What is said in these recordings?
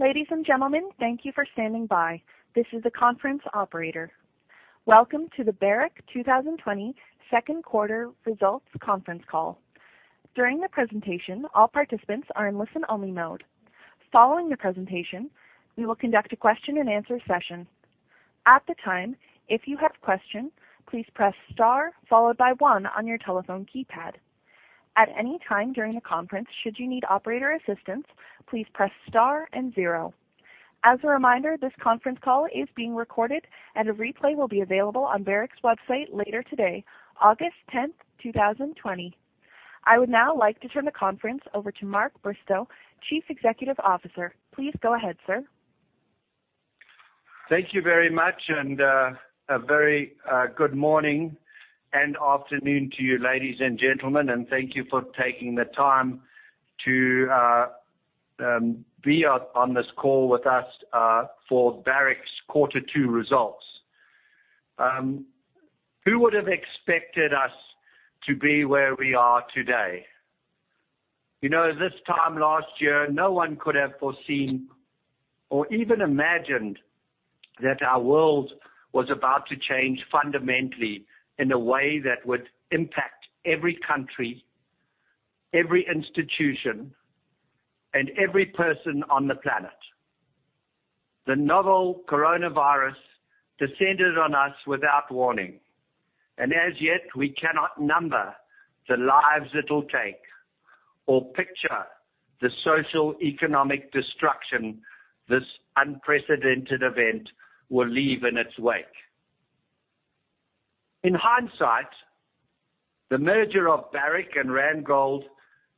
Ladies and gentlemen, thank you for standing by. This is the conference operator. Welcome to the Barrick 2020 second quarter results conference call. During the presentation, all participants are in listen-only mode. Following the presentation, we will conduct a question and answer session. At the time, if you have question, please press star followed by one on your telephone keypad. At any time during the conference, should you need operator assistance, please press star and zero. As a reminder, this conference call is being recorded and a replay will be available on Barrick's website later today, 10th August, 2020. I would now like to turn the conference over to Mark Bristow, Chief Executive Officer. Please go ahead, sir. Thank you very much, a very good morning and afternoon to you, ladies and gentlemen. Thank you for taking the time to be on this call with us for Barrick's quarter two results. Who would have expected us to be where we are today? This time last year, no one could have foreseen or even imagined that our world was about to change fundamentally in a way that would impact every country, every institution, and every person on the planet. The novel coronavirus descended on us without warning, and as yet, we cannot number the lives it'll take or picture the social economic destruction this unprecedented event will leave in its wake. In hindsight, the merger of Barrick and Randgold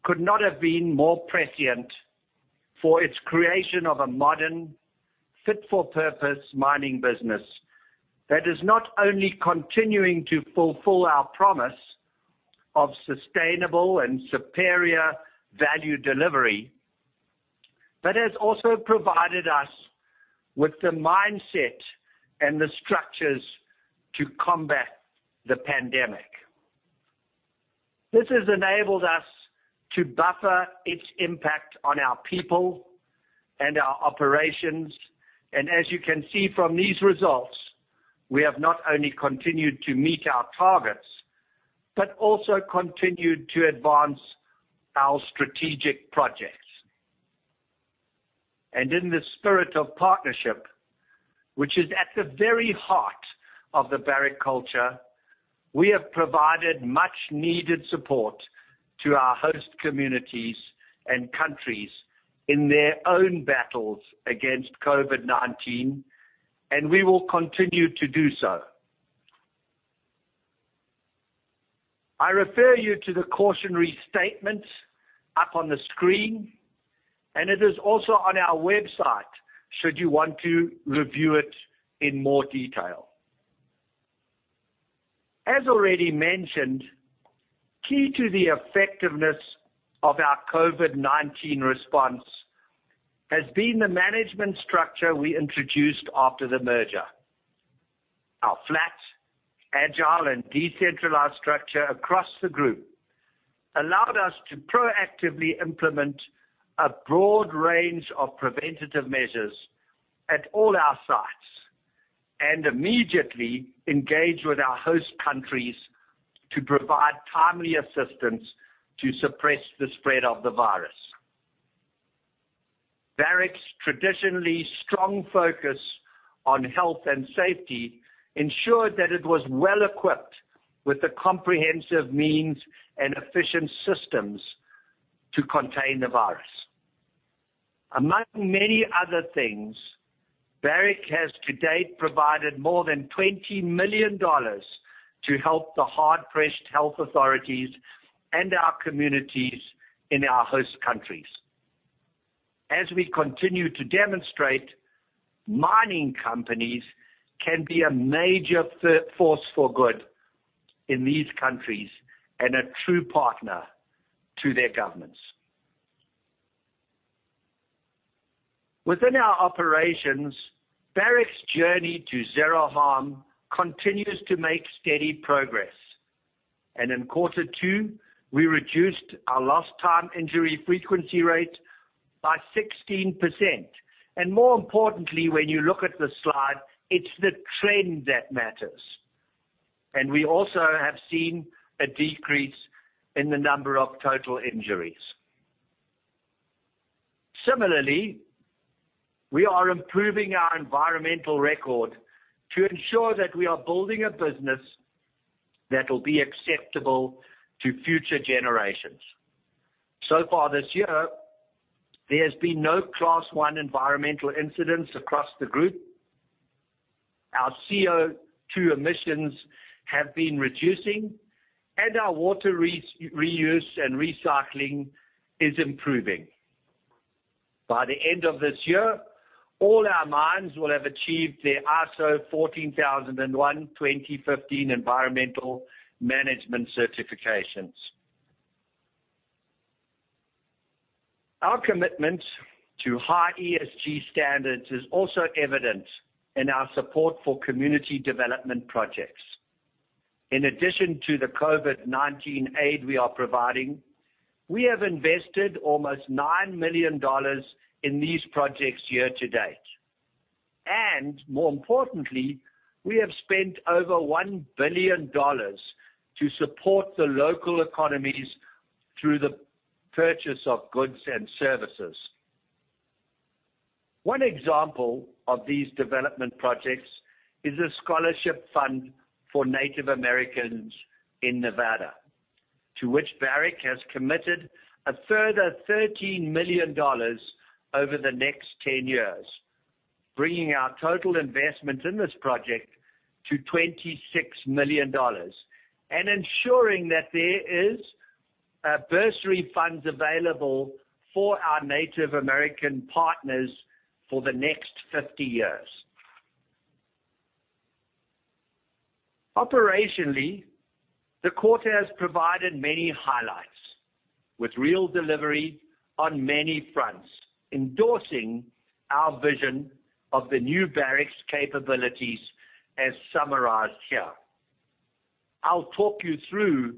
could not have been more prescient for its creation of a modern fit-for-purpose mining business that is not only continuing to fulfill our promise of sustainable and superior value delivery but has also provided us with the mindset and the structures to combat the pandemic. This has enabled us to buffer its impact on our people and our operations, and as you can see from these results, we have not only continued to meet our targets but also continued to advance our strategic projects. In the spirit of partnership, which is at the very heart of the Barrick culture, we have provided much needed support to our host communities and countries in their own battles against COVID-19, and we will continue to do so. I refer you to the cautionary statements up on the screen, and it is also on our website should you want to review it in more detail. As already mentioned, key to the effectiveness of our COVID-19 response has been the management structure we introduced after the merger. Our flat, agile, and decentralized structure across the group allowed us to proactively implement a broad range of preventative measures at all our sites and immediately engage with our host countries to provide timely assistance to suppress the spread of the virus. Barrick's traditionally strong focus on health and safety ensured that it was well-equipped with the comprehensive means and efficient systems to contain the virus. Among many other things, Barrick has to date provided more than $20 million to help the hard-pressed health authorities and our communities in our host countries. As we continue to demonstrate, mining companies can be a major force for good in these countries and a true partner to their governments. Within our operations, Barrick's journey to zero harm continues to make steady progress. In Q2, we reduced our lost time injury frequency rate by 16%. More importantly, when you look at the slide, it's the trend that matters. We also have seen a decrease in the number of total injuries. Similarly, we are improving our environmental record to ensure that we are building a business that will be acceptable to future generations. So far this year, there has been no Class one environmental incidents across the group. Our CO2 emissions have been reducing, and our water reuse and recycling is improving. By the end of this year, all our mines will have achieved their ISO 14001:2015 environmental management certifications. Our commitment to high ESG standards is also evident in our support for community development projects. In addition to the COVID-19 aid we are providing, we have invested almost $9 million in these projects year to date. More importantly, we have spent over $1 billion to support the local economies through the purchase of goods and services. One example of these development projects is a scholarship fund for Native Americans in Nevada, to which Barrick has committed a further $13 million over the next 10 years, bringing our total investment in this project to $26 million and ensuring that there is bursary funds available for our Native American partners for the next 50 years. Operationally, the quarter has provided many highlights with real delivery on many fronts, endorsing our vision of the new Barrick's capabilities as summarized here. I'll talk you through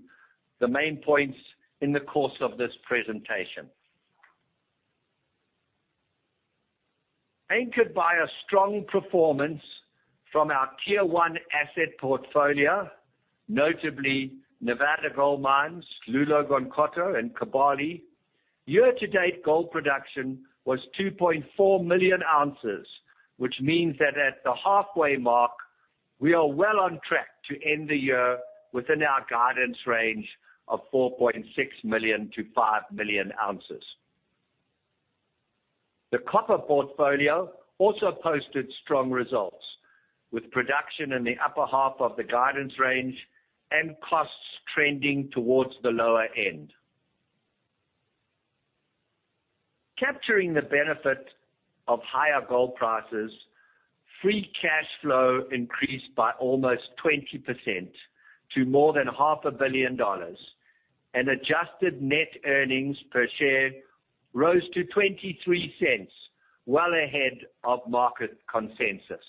the main points in the course of this presentation. Anchored by a strong performance from our Tier 1 asset portfolio, notably Nevada Gold Mines, Loulo-Gounkoto, and Kibali, year to date gold production was 2.4 million ounces, which means that at the halfway mark, we are well on track to end the year within our guidance range of 4.6 million-5 million ounces. The copper portfolio also posted strong results, with production in the upper half of the guidance range and costs trending towards the lower end. Capturing the benefit of higher gold prices, free cash flow increased by almost 20% to more than half a billion dollars, and adjusted net earnings per share rose to $0.23, well ahead of market consensus.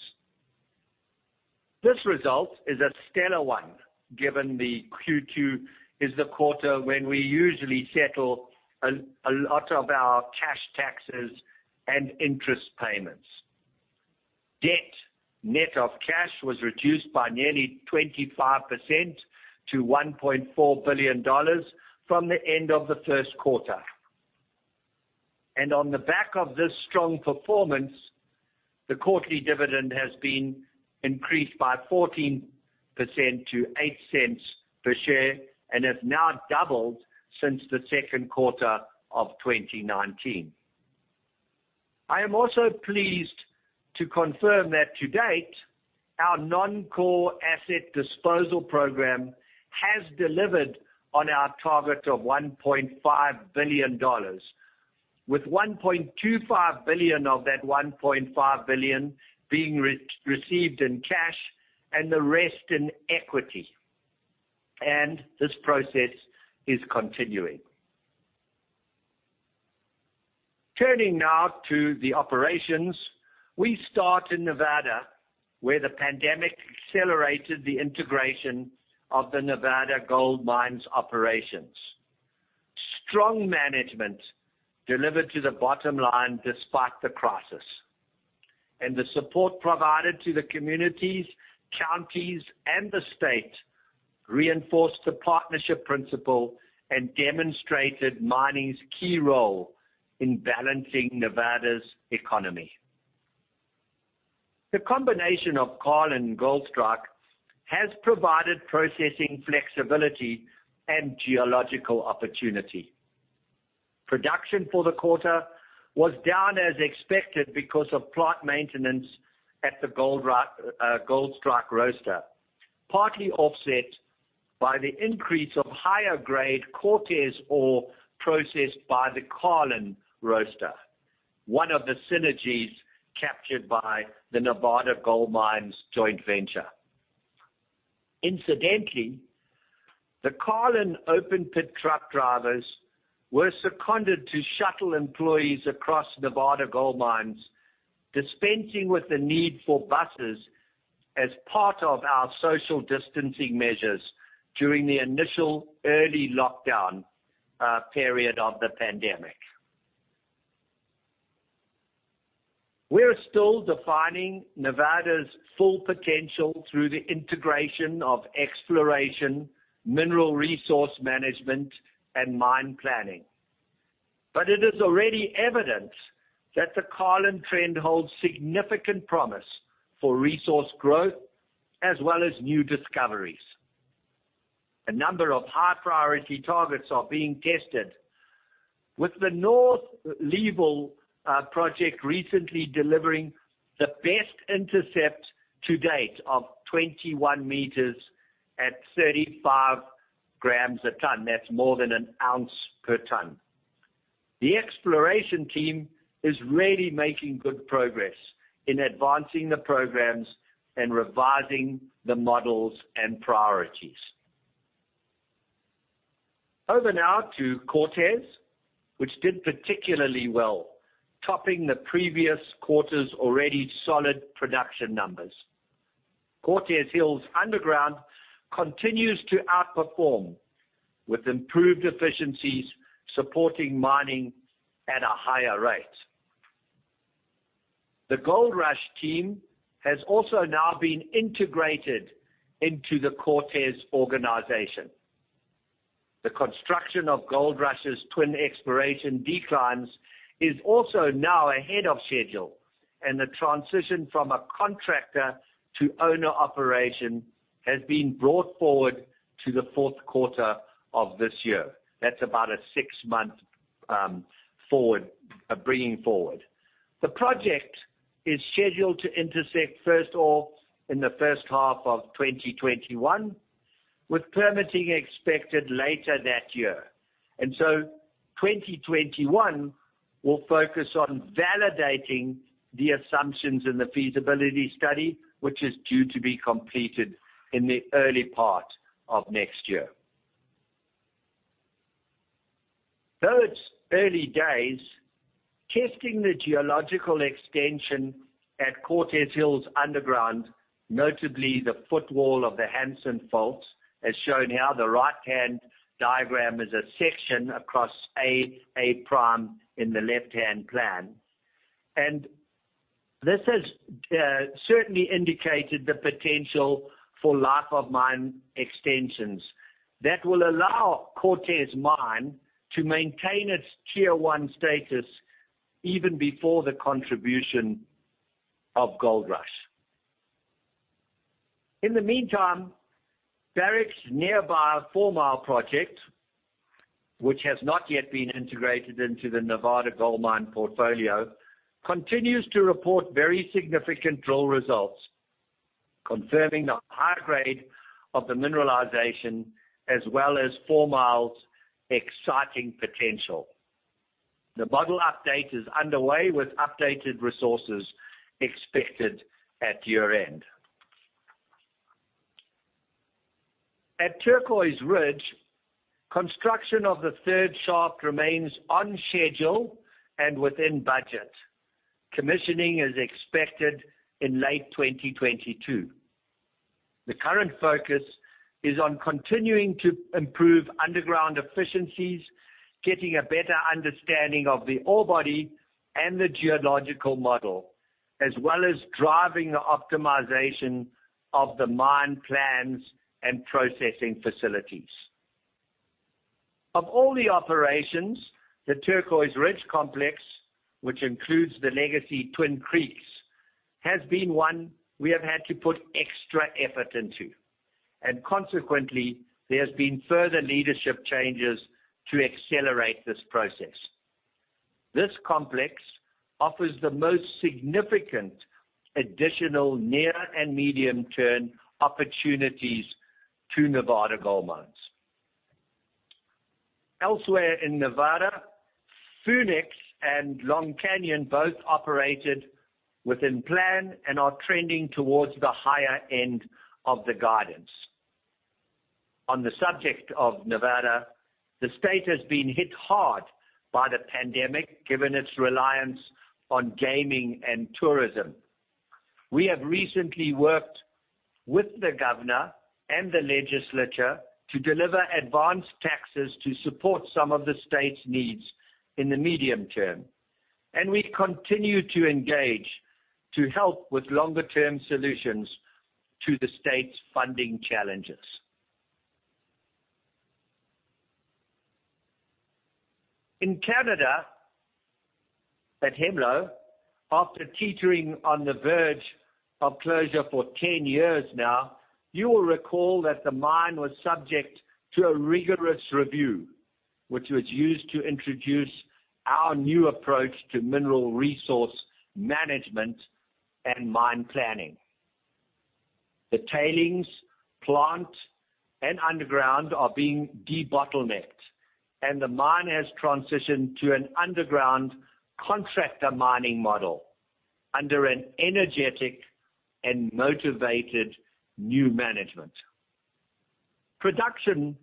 This result is a stellar one given the Q2 is the quarter when we usually settle a lot of our cash taxes and interest payments. Debt net of cash was reduced by nearly 25% to $1.4 billion from the end of the first quarter. On the back of this strong performance, the quarterly dividend has been increased by 14% to $0.08 per share and has now doubled since the second quarter of 2019. I am also pleased to confirm that to date, our non-core asset disposal program has delivered on our target of $1.5 billion, with $1.25 billion of that $1.5 billion being received in cash and the rest in equity. This process is continuing. Turning now to the operations, we start in Nevada, where the pandemic accelerated the integration of the Nevada Gold Mines operations. Strong management delivered to the bottom line despite the crisis, and the support provided to the communities, counties, and the state reinforced the partnership principle and demonstrated mining's key role in balancing Nevada's economy. The combination of Carlin and Goldstrike has provided processing flexibility and geological opportunity. Production for the quarter was down as expected because of plant maintenance at the Goldstrike roaster, partly offset by the increase of higher grade Cortez ore processed by the Carlin roaster, one of the synergies captured by the Nevada Gold Mines joint venture. Incidentally, the Carlin open pit truck drivers were seconded to shuttle employees across Nevada Gold Mines, dispensing with the need for buses as part of our social distancing measures during the initial early lockdown period of the pandemic. We are still defining Nevada's full potential through the integration of exploration, mineral resource management, and mine planning. It is already evident that the Carlin Trend holds significant promise for resource growth as well as new discoveries. A number of high priority targets are being tested with the North Leeville project recently delivering the best intercept to date of 21 meters at 35 grams a ton. That's more than an ounce per ton. The exploration team is really making good progress in advancing the programs and revising the models and priorities. Over now to Cortez, which did particularly well, topping the previous quarter's already solid production numbers. Cortez Hills Underground continues to outperform, with improved efficiencies supporting mining at a higher rate. The Goldrush team has also now been integrated into the Cortez organization. The construction of Goldrush's twin exploration declines is also now ahead of schedule, and the transition from a contractor to owner operation has been brought forward to the fourth quarter of this year. That's about a six-month bringing forward. The project is scheduled to intersect first ore in the first half of 2021, with permitting expected later that year. 2021 will focus on validating the assumptions in the feasibility study, which is due to be completed in the early part of next year. Though it's early days, testing the geological extension at Cortez Hills Underground, notably the footwall of the Hanson Fault, as shown here, the right-hand diagram is a section across A-prime in the left-hand plan. This has certainly indicated the potential for life of mine extensions that will allow Cortez Mine to maintain its Tier 1 status even before the contribution of Goldrush. In the meantime, Barrick's nearby Fourmile project, which has not yet been integrated into the Nevada Gold Mines portfolio, continues to report very significant drill results, confirming the high grade of the mineralization as well as Fourmile's exciting potential. The model update is underway with updated resources expected at year-end. At Turquoise Ridge, construction of the third shaft remains on schedule and within budget. Commissioning is expected in late 2022. The current focus is on continuing to improve underground efficiencies, getting a better understanding of the ore body and the geological model, as well as driving the optimization of the mine plans and processing facilities. Of all the operations, the Turquoise Ridge complex, which includes the legacy Twin Creeks, has been one we have had to put extra effort into, consequently, there's been further leadership changes to accelerate this process. This complex offers the most significant additional near and medium-term opportunities to Nevada Gold Mines. Elsewhere in Nevada, Phoenix and Long Canyon both operated within plan and are trending towards the higher end of the guidance. On the subject of Nevada, the state has been hit hard by the pandemic, given its reliance on gaming and tourism. We have recently worked with the governor and the legislature to deliver advanced taxes to support some of the state's needs in the medium term, and we continue to engage to help with longer-term solutions to the state's funding challenges. In Canada, at Hemlo, after teetering on the verge of closure for 10 years now, you will recall that the mine was subject to a rigorous review, which was used to introduce our new approach to mineral resource management and mine planning. The tailings, plant, and underground are being debottlenecked, and the mine has transitioned to an underground contractor mining model under an energetic and motivated new management. Production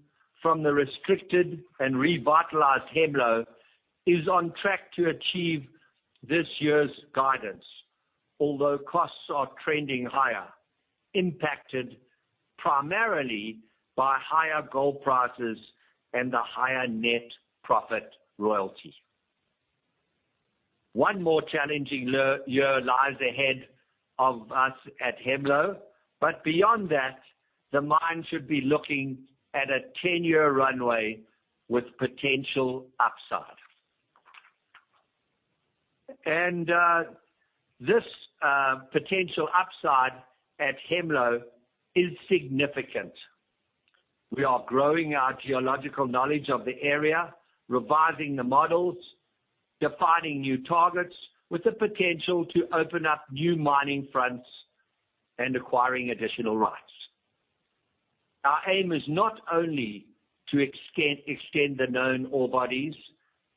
from the restricted and revitalized Hemlo is on track to achieve this year's guidance, although costs are trending higher, impacted primarily by higher gold prices and the higher net profit royalty. One more challenging year lies ahead of us at Hemlo, but beyond that, the mine should be looking at a 10-year runway with potential upside. This potential upside at Hemlo is significant. We are growing our geological knowledge of the area, revising the models, defining new targets with the potential to open up new mining fronts, and acquiring additional rights. Our aim is not only to extend the known ore bodies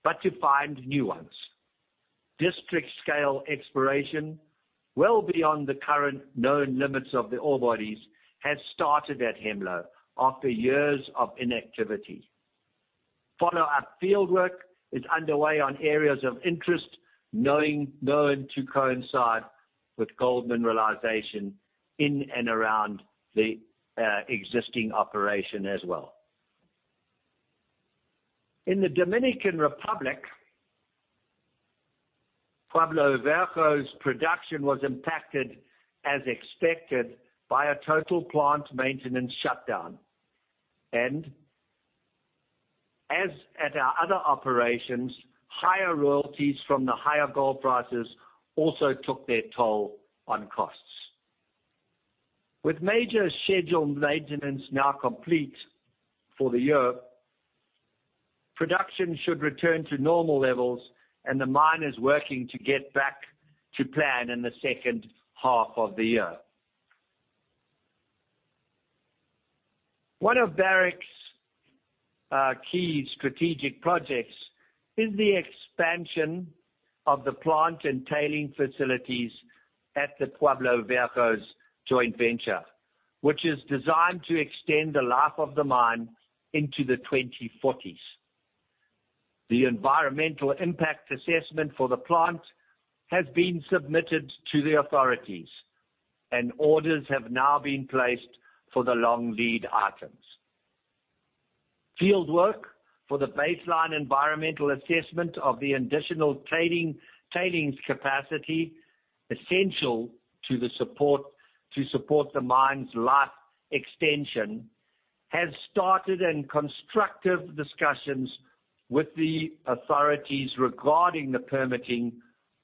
but to find new ones. District scale exploration, well beyond the current known limits of the ore bodies has started at Hemlo after years of inactivity. Follow-up fieldwork is underway on areas of interest, known to coincide with gold mineralization in and around the existing operation as well. In the Dominican Republic, Pueblo Viejo's production was impacted as expected by a total plant maintenance shutdown. As at our other operations, higher royalties from the higher gold prices also took their toll on costs. With major scheduled maintenance now complete for the year, production should return to normal levels and the mine is working to get back to plan in the second half of the year. One of Barrick's key strategic projects is the expansion of the plant and tailing facilities at the Pueblo Viejo's joint venture, which is designed to extend the life of the mine into the 2040s. The environmental impact assessment for the plant has been submitted to the authorities. Orders have now been placed for the long lead items. Fieldwork for the baseline environmental assessment of the additional tailings capacity, essential to support the mine's life extension, has started. Constructive discussions with the authorities regarding the permitting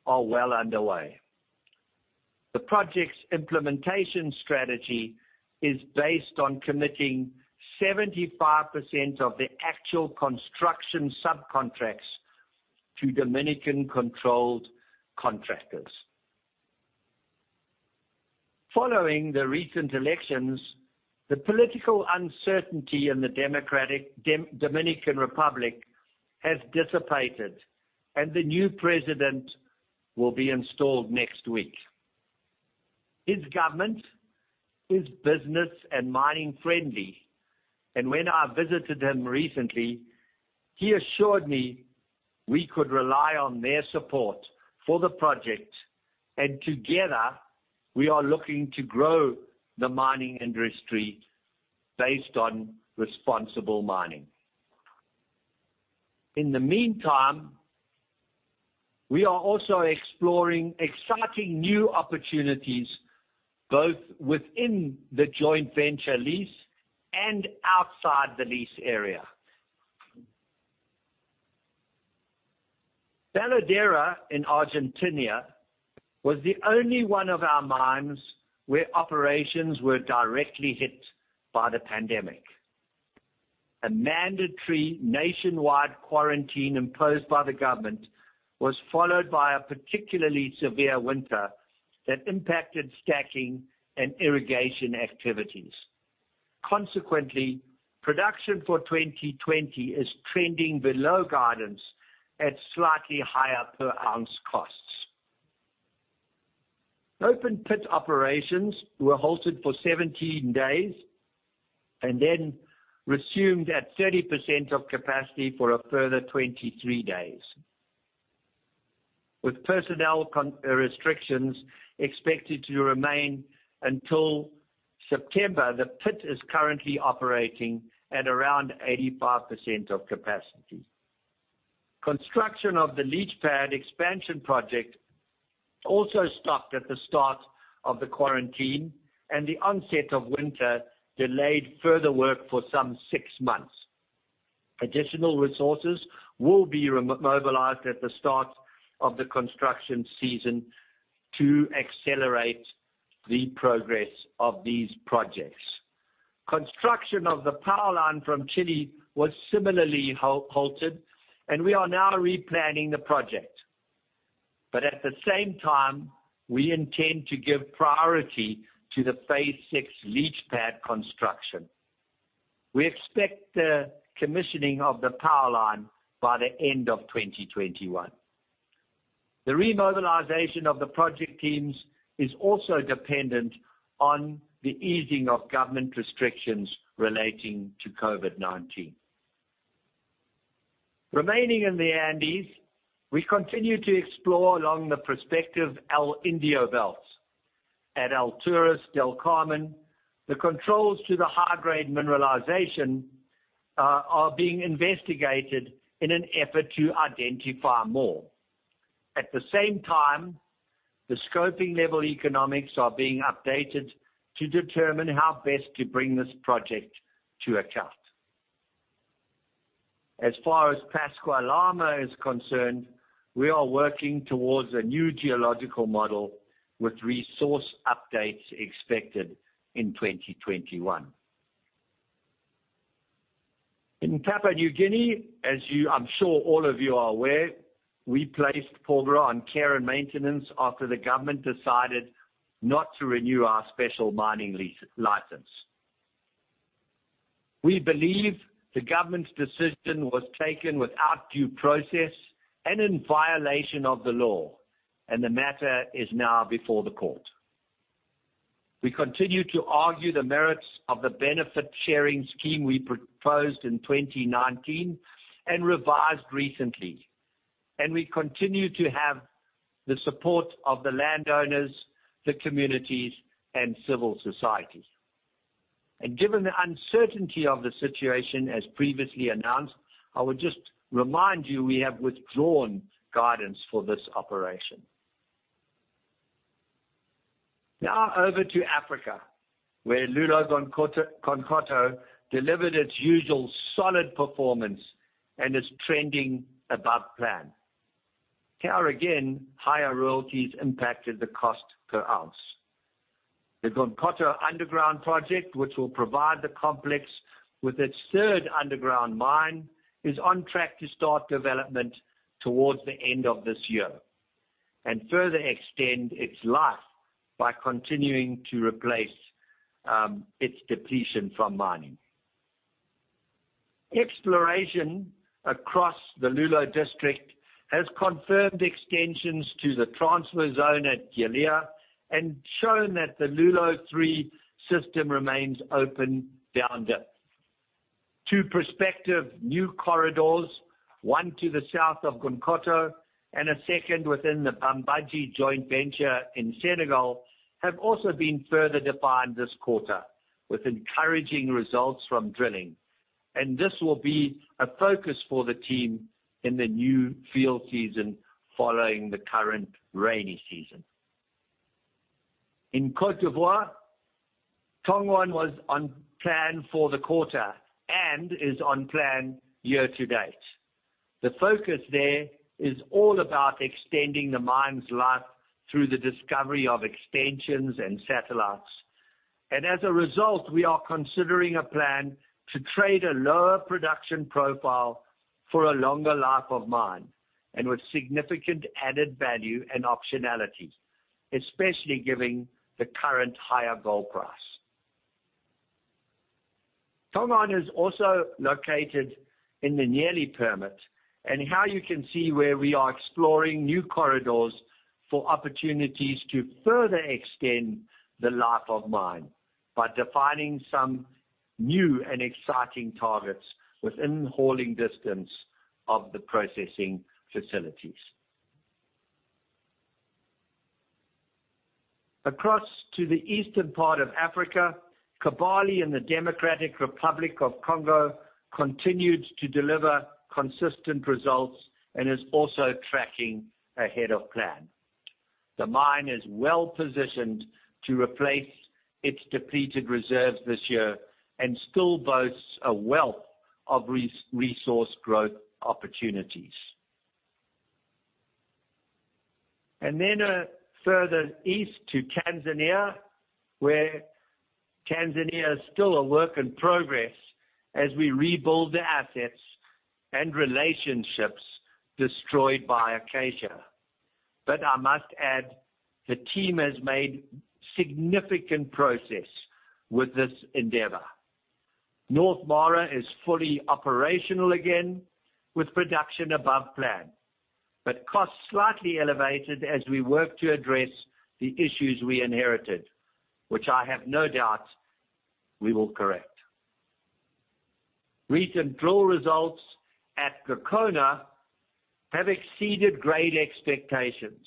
are well underway. The project's implementation strategy is based on committing 75% of the actual construction subcontracts to Dominican-controlled contractors. Following the recent elections, the political uncertainty in the Dominican Republic has dissipated. The new president will be installed next week. His government is business and mining friendly, and when I visited him recently, he assured me we could rely on their support for the project, and together we are looking to grow the mining industry based on responsible mining. In the meantime, we are also exploring exciting new opportunities, both within the joint venture lease and outside the lease area. Veladero in Argentina was the only one of our mines where operations were directly hit by the pandemic. A mandatory nationwide quarantine imposed by the government was followed by a particularly severe winter that impacted stacking and irrigation activities. Consequently, production for 2020 is trending below guidance at slightly higher per ounce costs. Open pit operations were halted for 17 days and then resumed at 30% of capacity for a further 23 days. With personnel restrictions expected to remain until September, the pit is currently operating at around 85% of capacity. Construction of the leach pad expansion project also stopped at the start of the quarantine, and the onset of winter delayed further work for some six months. Additional resources will be remobilized at the start of the construction season to accelerate the progress of these projects. Construction of the power line from Chile was similarly halted, and we are now replanning the project. At the same time, we intend to give priority to the phase 6 leach pad construction. We expect the commissioning of the power line by the end of 2021. The remobilization of the project teams is also dependent on the easing of government restrictions relating to COVID-19. Remaining in the Andes, we continue to explore along the prospective El Indio Belts. At Alturas-Del Carmen, the controls to the high-grade mineralization are being investigated in an effort to identify more. At the same time, the scoping level economics are being updated to determine how best to bring this project to account. As far as Pascua Lama is concerned, we are working towards a new geological model with resource updates expected in 2021. In Papua New Guinea, as I'm sure all of you are aware, we placed Porgera on care and maintenance after the government decided not to renew our special mining license. We believe the government's decision was taken without due process and in violation of the law. The matter is now before the court. We continue to argue the merits of the benefit-sharing scheme we proposed in 2019 and revised recently. We continue to have the support of the landowners, the communities, and civil society. Given the uncertainty of the situation, as previously announced, I would just remind you, we have withdrawn guidance for this operation. Over to Africa, where Loulo-Gounkoto delivered its usual solid performance and is trending above plan. Here again, higher royalties impacted the cost per ounce. The Gounkoto underground project, which will provide the complex with its third underground mine, is on track to start development towards the end of this year and further extend its life by continuing to replace its depletion from mining. Exploration across the Loulo district has confirmed extensions to the transfer zone at Yalea and shown that the Loulo-3 system remains open down dip. Two prospective new corridors, one to the south of Gounkoto and a second within the Bambadji joint venture in Senegal, have also been further defined this quarter with encouraging results from drilling. This will be a focus for the team in the new field season following the current rainy season. In Côte d'Ivoire, Tongon was on plan for the quarter and is on plan year to date. The focus there is all about extending the mine's life through the discovery of extensions and satellites. As a result, we are considering a plan to trade a lower production profile for a longer life of mine and with significant added value and optionality, especially given the current higher gold price. Tongon is also located in the Nielle permit, and here you can see where we are exploring new corridors for opportunities to further extend the life of mine by defining some new and exciting targets within hauling distance of the processing facilities. Across to the eastern part of Africa, Kibali in the Democratic Republic of the Congo continued to deliver consistent results and is also tracking ahead of plan. The mine is well-positioned to replace its depleted reserves this year and still boasts a wealth of resource growth opportunities. Further east to Tanzania, where Tanzania is still a work in progress as we rebuild the assets and relationships destroyed by Acacia. I must add, the team has made significant progress with this endeavor. North Mara is fully operational again, with production above plan, but costs slightly elevated as we work to address the issues we inherited, which I have no doubt we will correct. Recent drill results at Gokona have exceeded grade expectations,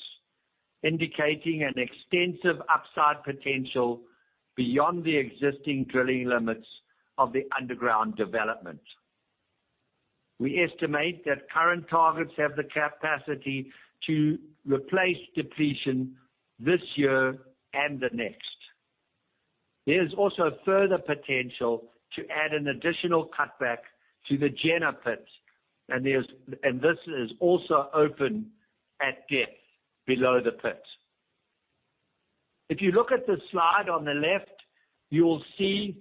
indicating an extensive upside potential beyond the existing drilling limits of the underground development. We estimate that current targets have the capacity to replace depletion this year and the next. There is also further potential to add an additional cutback to the Gena pit, and this is also open at depth below the pit. If you look at the slide on the left, you will see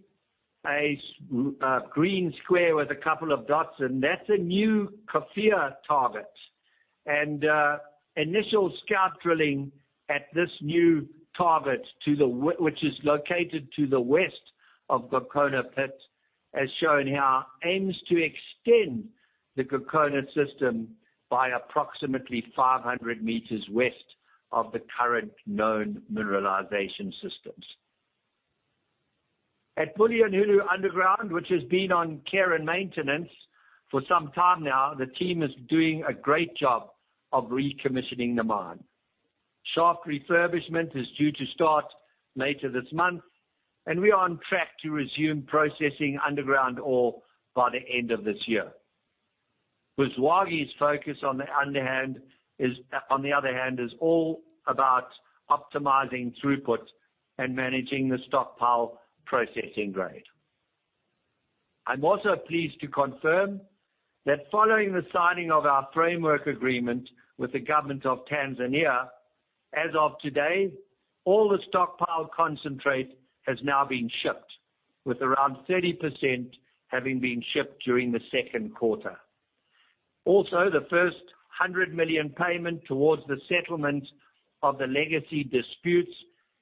a green square with a couple of dots, and that's a new Kafia target. Initial scout drilling at this new target, which is located to the west of Gokona pit, has shown how it aims to extend the Gokona system by approximately 500 meters west of the current known mineralization systems. At Bulyanhulu Underground, which has been on care and maintenance for some time now, the team is doing a great job of recommissioning the mine. Shaft refurbishment is due to start later this month, and we are on track to resume processing underground ore by the end of this year. Buzwagi's focus on the other hand, is all about optimizing throughput and managing the stockpile processing grade. I'm also pleased to confirm that following the signing of our framework agreement with the government of Tanzania, as of today, all the stockpile concentrate has now been shipped, with around 30% having been shipped during the second quarter. The first $100 million payment towards the settlement of the legacy disputes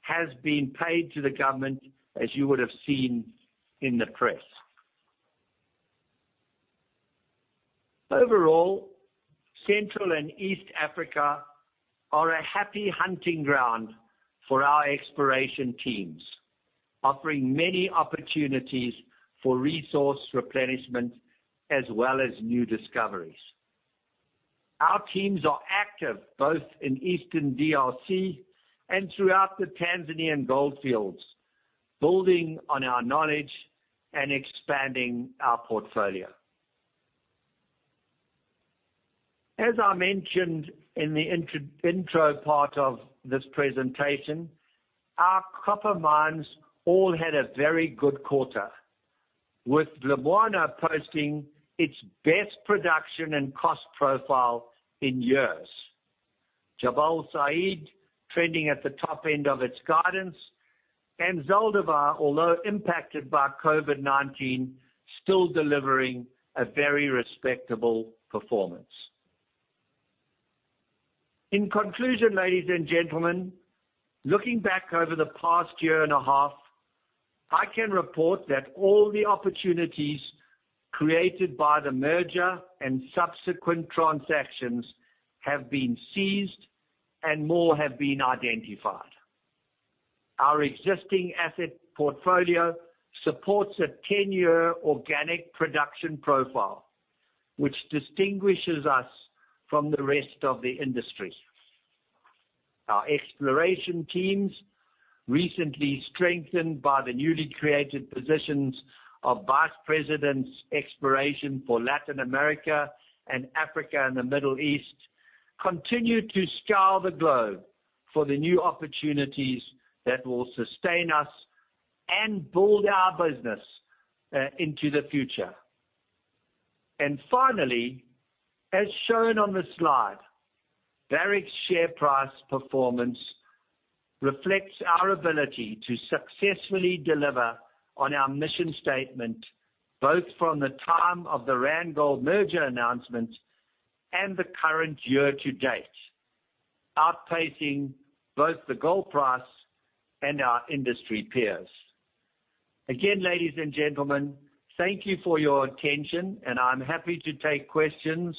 has been paid to the government, as you would have seen in the press. Overall, Central and East Africa are a happy hunting ground for our exploration teams, offering many opportunities for resource replenishment as well as new discoveries. Our teams are active both in Eastern DRC and throughout the Tanzanian goldfields, building on our knowledge and expanding our portfolio. As I mentioned in the intro part of this presentation, our copper mines all had a very good quarter, with Lumwana posting its best production and cost profile in years. Jabal Sayid trending at the top end of its guidance, Zaldívar, although impacted by COVID-19, still delivering a very respectable performance. In conclusion, ladies and gentlemen, looking back over the past year and a half, I can report that all the opportunities created by the merger and subsequent transactions have been seized and more have been identified. Our existing asset portfolio supports a 10-year organic production profile, which distinguishes us from the rest of the industry. Our exploration teams, recently strengthened by the newly created positions of Vice Presidents, exploration for Latin America and Africa and the Middle East, continue to scour the globe for the new opportunities that will sustain us and build our business into the future. Finally, as shown on the slide, Barrick's share price performance reflects our ability to successfully deliver on our mission statement, both from the time of the Randgold merger announcement and the current year to date, outpacing both the gold price and our industry peers. Again, ladies and gentlemen, thank you for your attention, and I'm happy to take questions.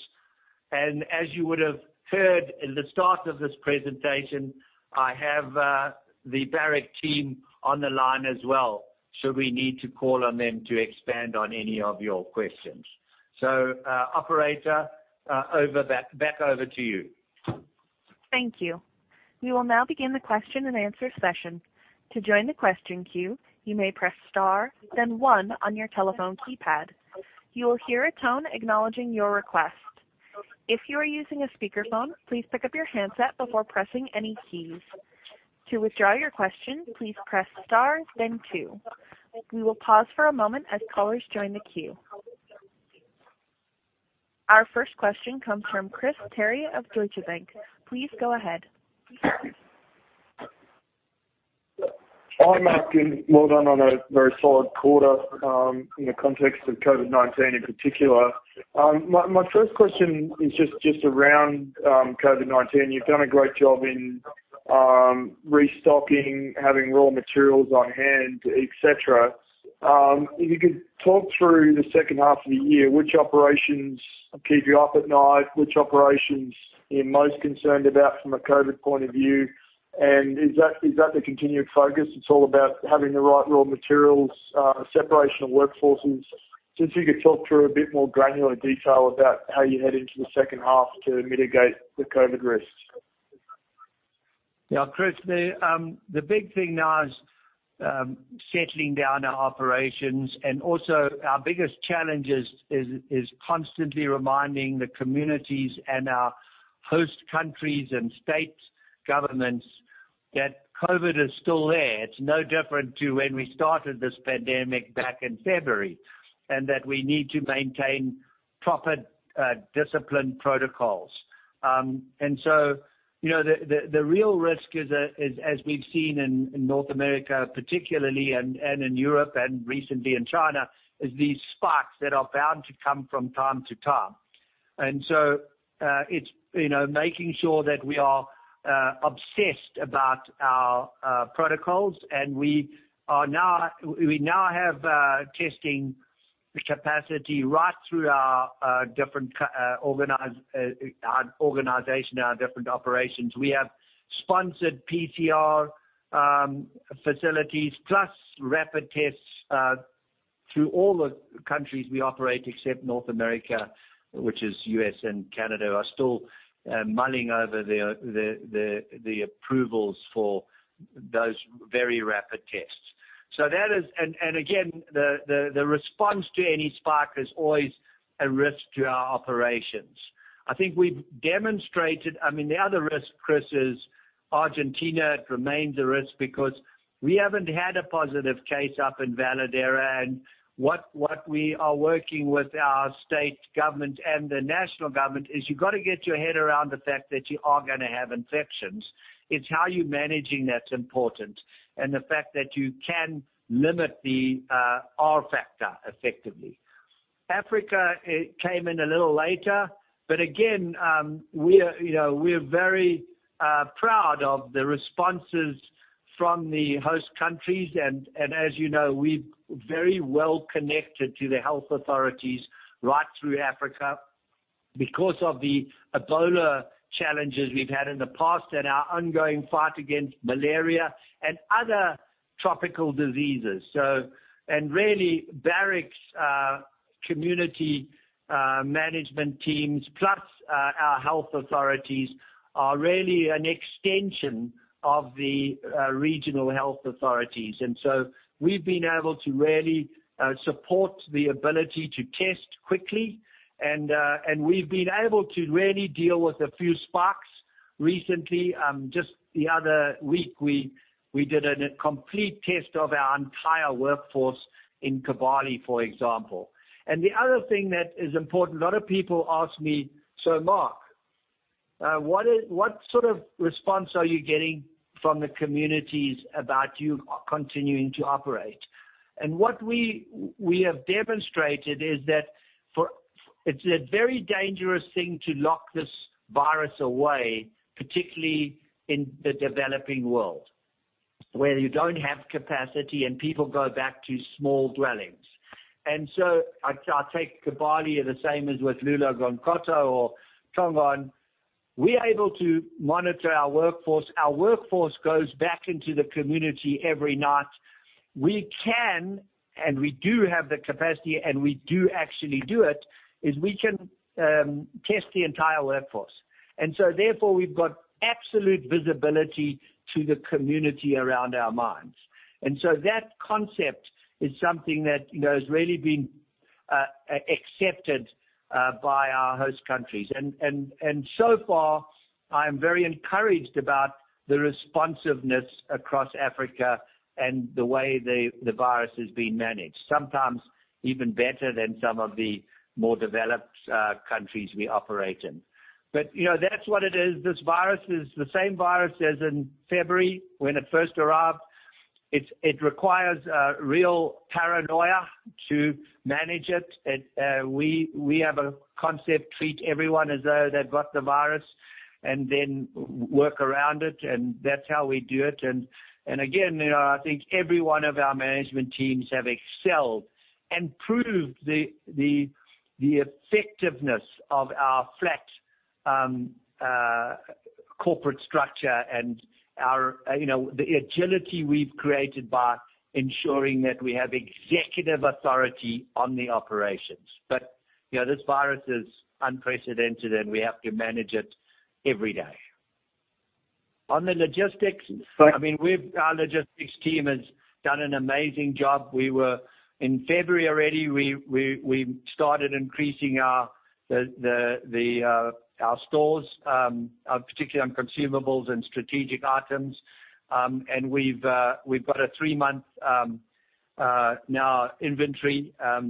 As you would have heard in the start of this presentation, I have the Barrick team on the line as well, should we need to call on them to expand on any of your questions. Operator, back over to you. Thank you. We will now begin the question and answer session. To join the question queue, you may press star, then one on your telephone keypad. You will hear a tone acknowledging your request. If you are using a speakerphone, please pick up your handset before pressing any keys. To withdraw your question, please press star, then two. We will pause for a moment as callers join the queue. Our first question comes from Chris Terry of Deutsche Bank. Please go ahead. Hi, Mark, and well done on a very solid quarter in the context of COVID-19 in particular. My first question is just around COVID-19. You've done a great job in restocking, having raw materials on hand, et cetera. If you could talk through the second half of the year, which operations keep you up at night, which operations you're most concerned about from a COVID point of view, and is that the continued focus? It's all about having the right raw materials, separation of workforces. Since you could talk through a bit more granular detail about how you head into the second half to mitigate the COVID risks. Yeah, Chris, the big thing now is settling down our operations. Also our biggest challenge is constantly reminding the communities and our host countries and state governments that COVID is still there. It's no different to when we started this pandemic back in February, that we need to maintain proper disciplined protocols. The real risk is, as we've seen in North America particularly, and in Europe and recently in China, is these spikes that are bound to come from time to time. It's making sure that we are obsessed about our protocols, and we now have testing capacity right through our different organization, our different operations. We have sponsored PCR facilities plus rapid tests through all the countries we operate except North America, which is U.S. and Canada, are still mulling over the approvals for those very rapid tests. Again, the response to any spike is always a risk to our operations. The other risk, Chris, is Argentina. It remains a risk because we haven't had a positive case up in Veladero. What we are working with our state government and the national government is you got to get your head around the fact that you are going to have infections. It's how you're managing that's important, and the fact that you can limit the R factor effectively. Again, we are very proud of the responses from the host countries. As you know, we're very well connected to the health authorities right through Africa because of the Ebola challenges we've had in the past and our ongoing fight against malaria and other tropical diseases. And really Barrick's community management teams, plus our health authorities are really an extension of the regional health authorities. We've been able to really support the ability to test quickly and we've been able to really deal with a few sparks recently. Just the other week we did a complete test of our entire workforce in Kibali, for example. The other thing that is important, a lot of people ask me, "Mark, what sort of response are you getting from the communities about you continuing to operate?" What we have demonstrated is that it's a very dangerous thing to lock this virus away, particularly in the developing world, where you don't have capacity and people go back to small dwellings. I take Kibali as the same as with Loulo-Gounkoto or Tongon. We are able to monitor our workforce. Our workforce goes back into the community every night. We can and we do have the capacity, and we do actually do it, is we can test the entire workforce. Therefore, we've got absolute visibility to the community around our mines. That concept is something that has really been accepted by our host countries. So far, I am very encouraged about the responsiveness across Africa and the way the virus is being managed. Sometimes even better than some of the more developed countries we operate in. That's what it is. This virus is the same virus as in February when it first arrived. It requires real paranoia to manage it. We have a concept, treat everyone as though they've got the virus and then work around it, and that's how we do it. Again, I think every one of our management teams have excelled and proved the effectiveness of our flat corporate structure and the agility we've created by ensuring that we have executive authority on the operations. This virus is unprecedented, and we have to manage it every day. Sorry- I mean, our logistics team has done an amazing job. In February already, we started increasing our stores, particularly on consumables and strategic items. We've got a three-month inventory now.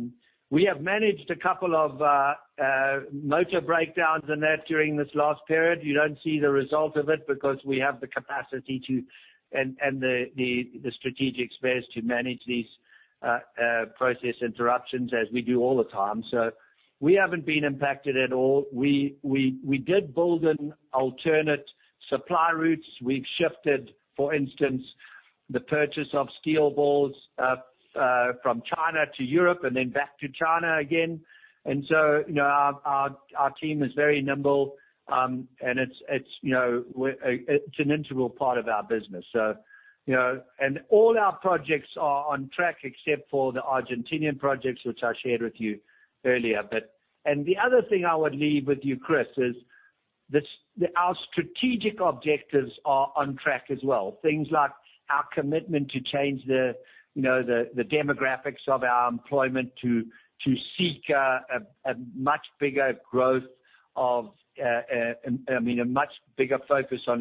We have managed a couple of motor breakdowns and that during this last period. You don't see the result of it because we have the capacity and the strategic spares to manage these process interruptions as we do all the time. We haven't been impacted at all. We did build an alternate supply routes. We've shifted, for instance, the purchase of steel balls from China to Europe and then back to China again. Our team is very nimble, and it's an integral part of our business. All our projects are on track except for the Argentinian projects, which I shared with you earlier. The other thing I would leave with you, Chris, is our strategic objectives are on track as well. Things like our commitment to change the demographics of our employment to seek a much bigger focus on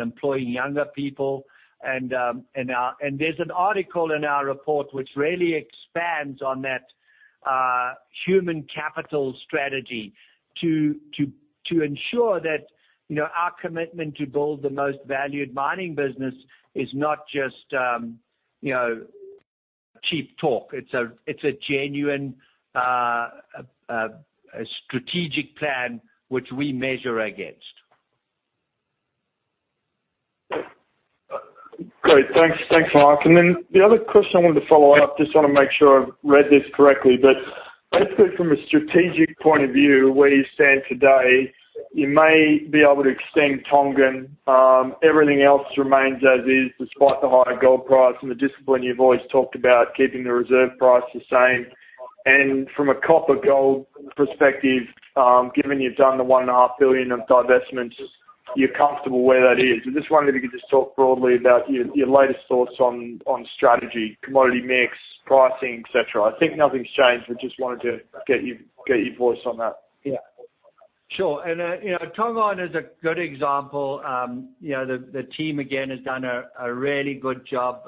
employing younger people. There's an article in our report which really expands on that human capital strategy to ensure that our commitment to build the most valued mining business is not just cheap talk. It's a genuine strategic plan which we measure against. Great. Thanks, Mark. The other question I wanted to follow up, just want to make sure I've read this correctly. Basically from a strategic point of view, where you stand today, you may be able to extend Tongon. Everything else remains as is despite the higher gold price and the discipline you've always talked about keeping the reserve price the same. From a copper-gold perspective, given you've done the $1.5 billion of divestments, you're comfortable where that is. I just wondered if you could just talk broadly about your latest thoughts on strategy, commodity mix, pricing, et cetera. I think nothing's changed. I just wanted to get your voice on that. Yeah. Sure. Tongon is a good example. The team again has done a really good job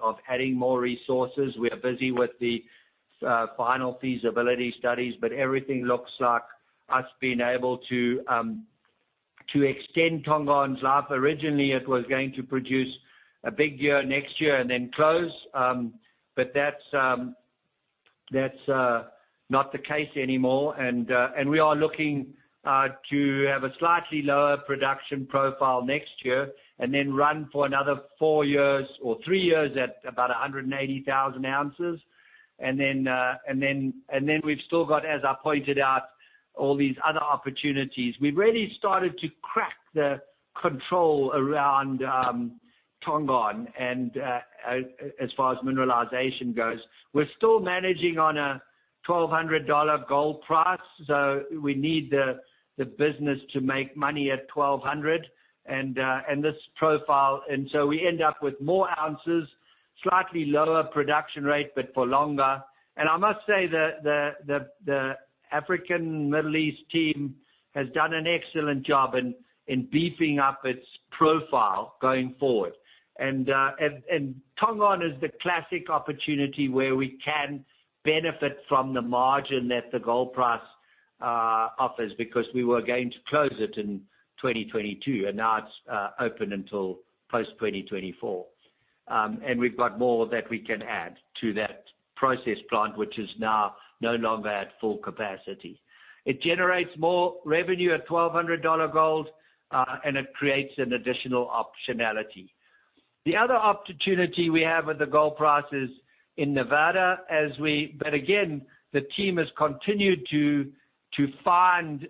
of adding more resources. We are busy with the final feasibility studies, but everything looks like us being able to extend Tongon's life. Originally, it was going to produce a big year next year and then close. That's not the case anymore. We are looking to have a slightly lower production profile next year and then run for another four years or three years at about 180,000 ounces. Then we've still got, as I pointed out, all these other opportunities. We've really started to crack the control around Tongon and as far as mineralization goes. We're still managing on a $1,200 gold price, so we need the business to make money at $1,200 and this profile. We end up with more ounces, slightly lower production rate, but for longer. I must say the African Middle East team has done an excellent job in beefing up its profile going forward. Tongon is the classic opportunity where we can benefit from the margin that the gold price offers because we were going to close it in 2022 and now it's open until post-2024. We've got more that we can add to that process plant, which is now no longer at full capacity. It generates more revenue at $1,200 gold, and it creates an additional optionality. The other opportunity we have with the gold price is in Nevada. Again, the team has continued to find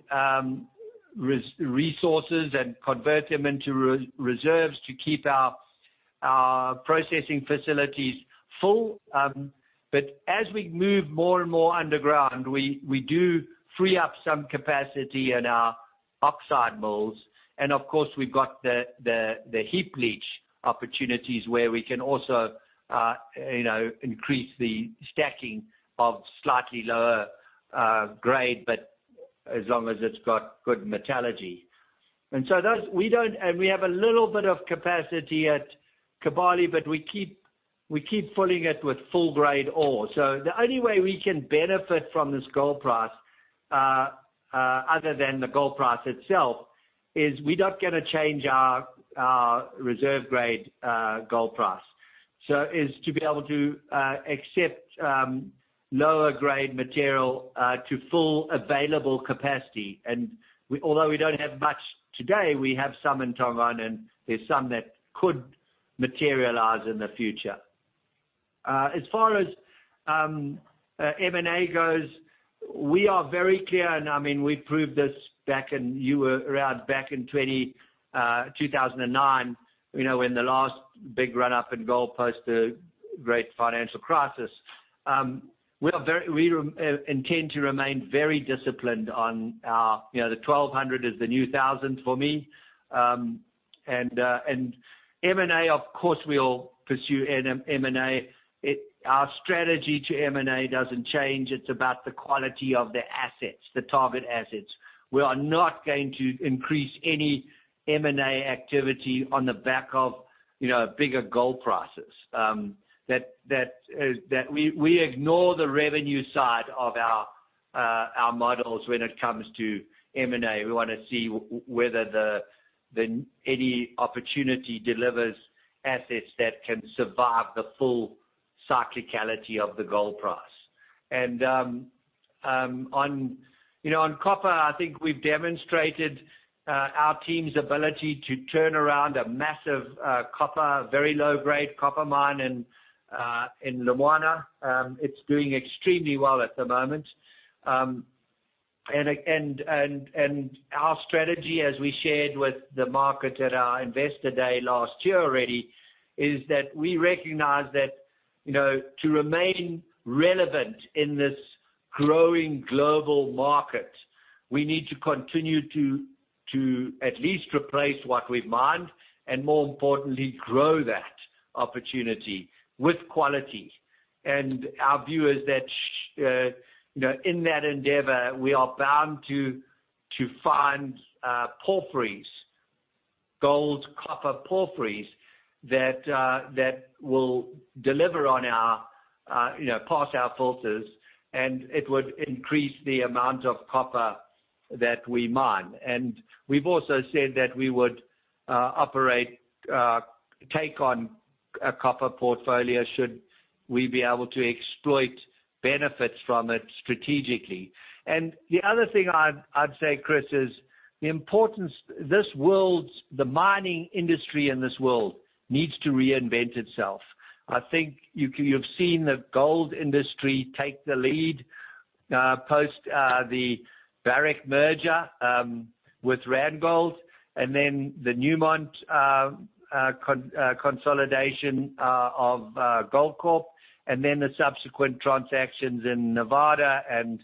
resources and convert them into reserves to keep our processing facilities full. As we move more and more underground, we do free up some capacity in our oxide mills. Of course, we've got the heap leach opportunities where we can also increase the stacking of slightly lower grade, but as long as it's got good metallurgy. We have a little bit of capacity at Kibali, but we keep filling it with full-grade ore. The only way we can benefit from this gold price, other than the gold price itself, is we're not going to change our reserve-grade gold price. Is to be able to accept lower grade material to full available capacity. Although we don't have much today, we have some in Tongon and there's some that could materialize in the future. As far as M&A goes, we are very clear, and we proved this back in, you were around back in 2009, when the last big run-up in gold post the great financial crisis. We intend to remain very disciplined on our, the 1,200 is the new 1,000 for me. M&A, of course, we'll pursue M&A. Our strategy to M&A doesn't change. It's about the quality of the assets, the target assets. We are not going to increase any M&A activity on the back of bigger gold prices. We ignore the revenue side of our models when it comes to M&A. We want to see whether any opportunity delivers assets that can survive the full cyclicality of the gold price. On copper, I think we've demonstrated our team's ability to turn around a massive copper, very low-grade copper mine in Lumwana. It's doing extremely well at the moment. Our strategy, as we shared with the market at our investor day last year already, is that we recognize that to remain relevant in this growing global market, we need to continue to at least replace what we mine and, more importantly, grow that opportunity with quality. Our view is that in that endeavor, we are bound to find porphyries, gold copper porphyries, that will deliver on our, pass our filters, and it would increase the amount of copper that we mine. We've also said that we would operate, take on a copper portfolio should we be able to exploit benefits from it strategically. The other thing I'd say, Chris, is the mining industry in this world needs to reinvent itself. I think you've seen the gold industry take the lead post the Barrick merger with Randgold and then the Newmont consolidation of Goldcorp, and then the subsequent transactions in Nevada and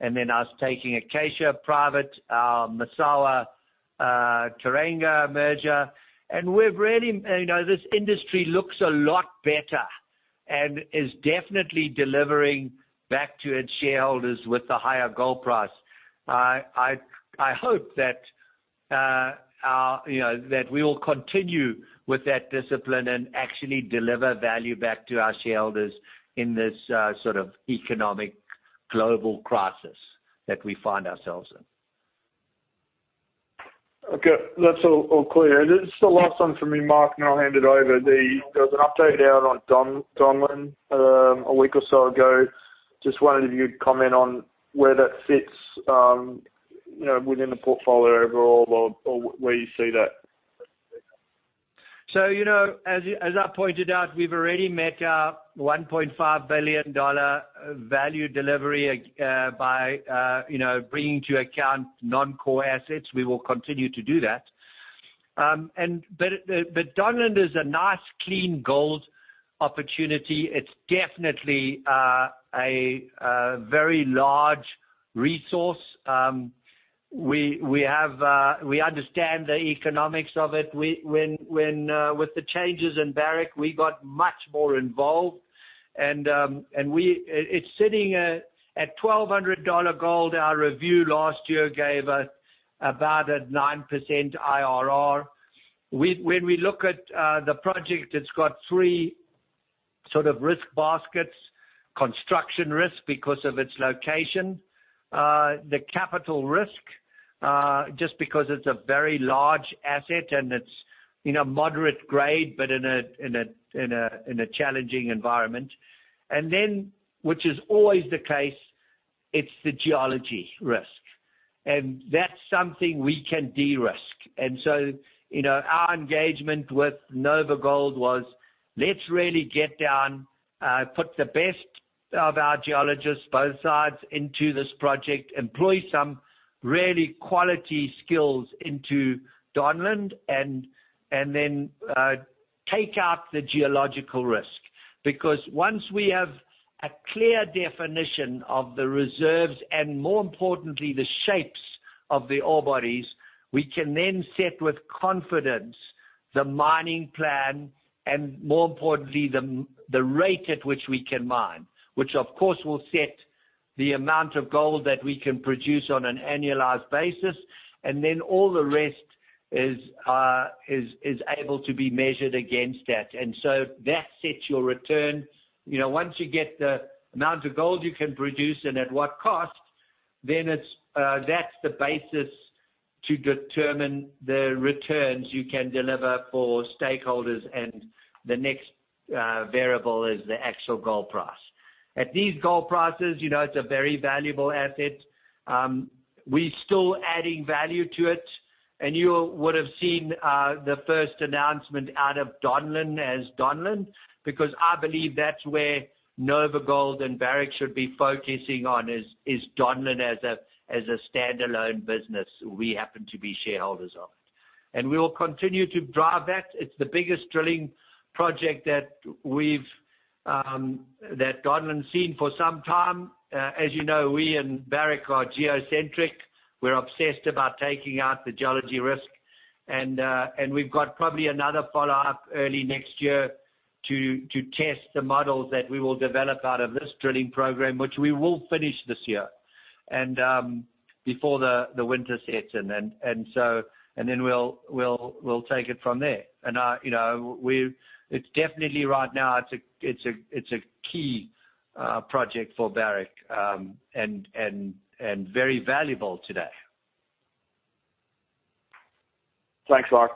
then us taking Acacia private, Massawa, Teranga merger. This industry looks a lot better and is definitely delivering back to its shareholders with the higher gold price. I hope that we will continue with that discipline and actually deliver value back to our shareholders in this sort of economic global crisis that we find ourselves in. Okay. That's all clear. This is the last one for me, Mark, and I'll hand it over. There was an update out on Donlin a week or so ago. Just wanted you to comment on where that fits within the portfolio overall or where you see that. As I pointed out, we've already met our $1.5 billion value delivery by bringing to account non-core assets. We will continue to do that. Donlin is a nice clean gold opportunity. It's definitely a very large resource. We understand the economics of it. With the changes in Barrick, we got much more involved. It's sitting at $1,200 gold. Our review last year gave us about a 9% IRR. When we look at the project, it's got three sort of risk baskets, construction risk because of its location, the capital risk, just because it's a very large asset and it's moderate grade but in a challenging environment. Which is always the case, it's the geology risk. That's something we can de-risk. Our engagement with NovaGold was, let's really get down, put the best of our geologists, both sides, into this project, employ some really quality skills into Donlin, and then take out the geological risk. Once we have a clear definition of the reserves and, more importantly, the shapes of the ore bodies, we can then set with confidence the mining plan and, more importantly, the rate at which we can mine. Which of course will set the amount of gold that we can produce on an annualized basis. All the rest is able to be measured against that. That sets your return. Once you get the amount of gold you can produce and at what cost, then that's the basis to determine the returns you can deliver for stakeholders and the next variable is the actual gold price. At these gold prices, it's a very valuable asset. We're still adding value to it. You would have seen the first announcement out of Donlin as Donlin, because I believe that's where NovaGold and Barrick should be focusing on is Donlin as a standalone business. We happen to be shareholders of it. We will continue to drive that. It's the biggest drilling project that Donlin's seen for some time. As you know, we and Barrick are geocentric. We're obsessed about taking out the geology risk. We've got probably another follow-up early next year to test the models that we will develop out of this drilling program, which we will finish this year and before the winter sets in. Then we'll take it from there. It's definitely right now, it's a key project for Barrick, and very valuable today. Thanks, Mark.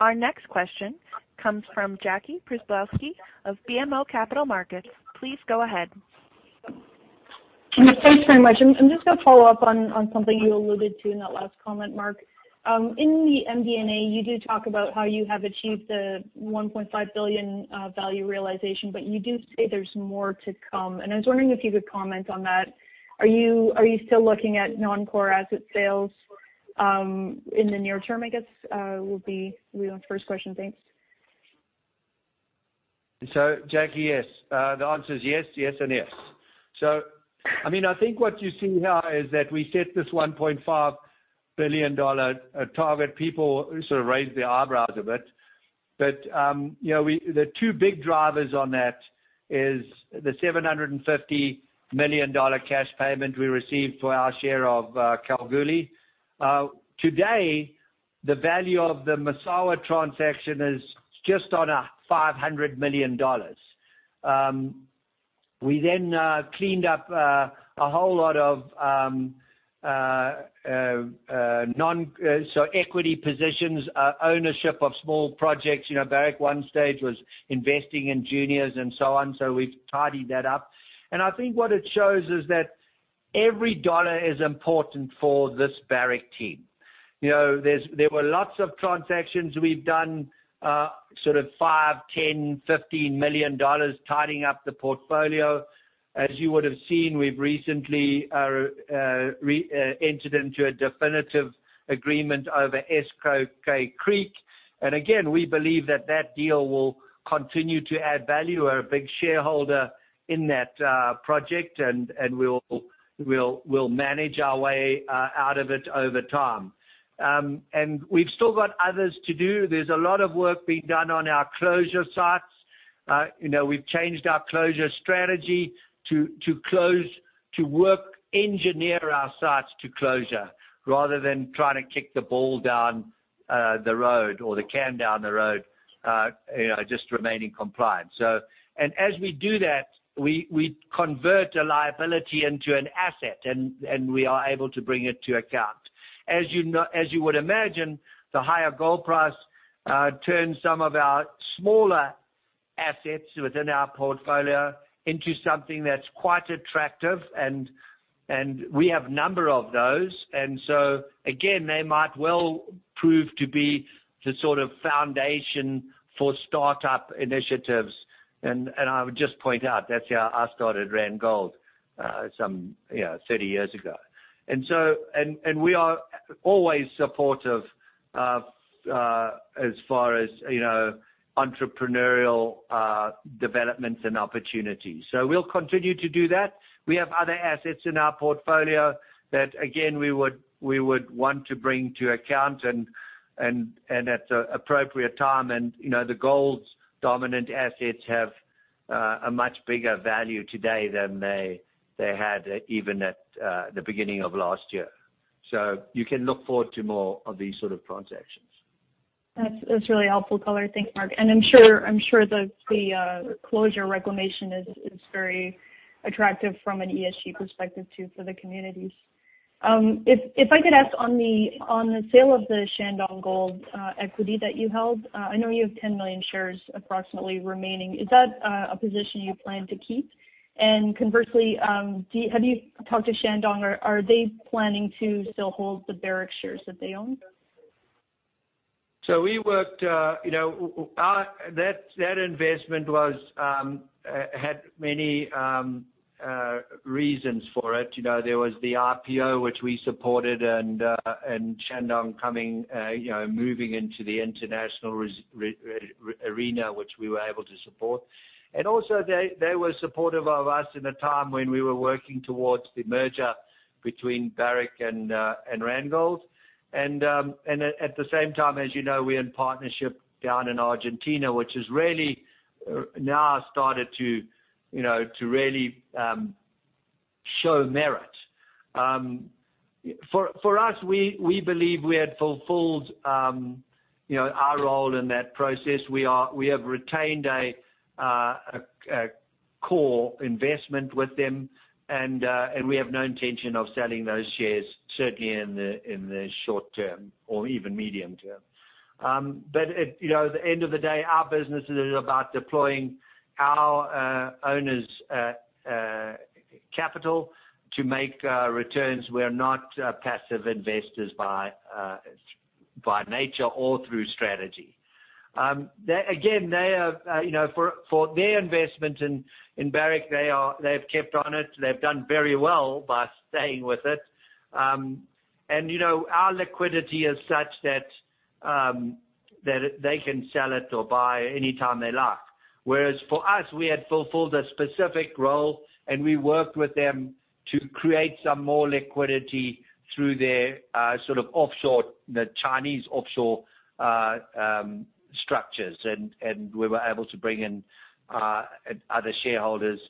Our next question comes from Jackie Przybylowski of BMO Capital Markets. Please go ahead. Thanks very much. I'm just going to follow up on something you alluded to in that last comment, Mark. In the MD&A, you do talk about how you have achieved the $1.5 billion value realization. You do say there's more to come. I was wondering if you could comment on that. Are you still looking at non-core asset sales in the near term, I guess, will be my first question. Thanks. Jackie, yes. The answer is yes, and yes. I think what you see now is that we set this $1.5 billion target. People sort of raised their eyebrows a bit. The two big drivers on that is the $750 million cash payment we received for our share of Kalgoorlie. Today, the value of the Massawa transaction is just on a $500 million. We cleaned up a whole lot of equity positions, ownership of small projects. Barrick one stage was investing in juniors and so on. We've tidied that up. I think what it shows is that every dollar is important for this Barrick team. There were lots of transactions we've done, sort of $500, $1,000, $15 million tidying up the portfolio. As you would have seen, we've recently re-entered into a definitive agreement over Eskay Creek. Again, we believe that that deal will continue to add value. We're a big shareholder in that project, and we'll manage our way out of it over time. We've still got others to do. There's a lot of work being done on our closure sites. We've changed our closure strategy to work engineer our sites to closure rather than trying to kick the ball down the road or the can down the road, just remaining compliant. As we do that, we convert a liability into an asset, and we are able to bring it to account. As you would imagine, the higher gold price turns some of our smaller assets within our portfolio into something that's quite attractive and we have a number of those. Again, they might well prove to be the sort of foundation for startup initiatives. I would just point out that's how I started Randgold some 30 years ago. We are always supportive of as far as entrepreneurial developments and opportunities. We'll continue to do that. We have other assets in our portfolio that, again, we would want to bring to account and at the appropriate time. The gold-dominant assets have a much bigger value today than they had even at the beginning of last year. You can look forward to more of these sort of transactions. That's really helpful color. Thanks, Mark. I'm sure the closure reclamation is very attractive from an ESG perspective too, for the communities. If I could ask on the sale of the Shandong Gold equity that you held, I know you have 10 million shares approximately remaining. Is that a position you plan to keep? Conversely, have you talked to Shandong? Are they planning to still hold the Barrick shares that they own? That investment had many reasons for it. There was the IPO, which we supported, and Shandong Gold coming, moving into the international arena, which we were able to support. They were supportive of us in a time when we were working towards the merger between Barrick and Randgold. At the same time, as you know, we're in partnership down in Argentina, which has really now started to really show merit. For us, we believe we had fulfilled our role in that process. We have retained a core investment with them, and we have no intention of selling those shares, certainly in the short term or even medium term. At the end of the day, our business is about deploying our owners' capital to make returns. We are not passive investors by nature or through strategy. For their investment in Barrick, they've kept on it. They've done very well by staying with it. Our liquidity is such that they can sell it or buy any time they like. Whereas for us, we had fulfilled a specific role, and we worked with them to create some more liquidity through their sort of offshore, the Chinese offshore structures, and we were able to bring in other shareholders.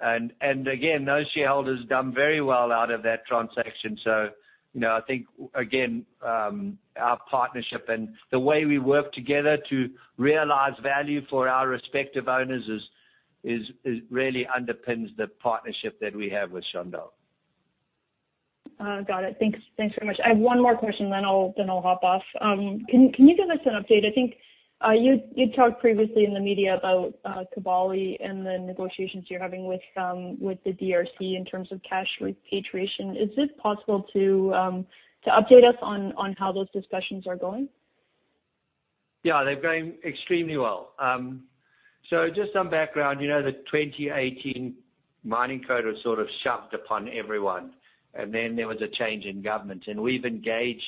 Again, those shareholders done very well out of that transaction. I think, again, our partnership and the way we work together to realize value for our respective owners really underpins the partnership that we have with Shandong. Got it. Thanks very much. I have one more question then I'll hop off. Can you give us an update? I think you talked previously in the media about Kibali and the negotiations you're having with the DRC in terms of cash repatriation. Is it possible to update us on how those discussions are going? They're going extremely well. Just some background, the 2018 Mining Code was sort of shoved upon everyone, and then there was a change in government. We've engaged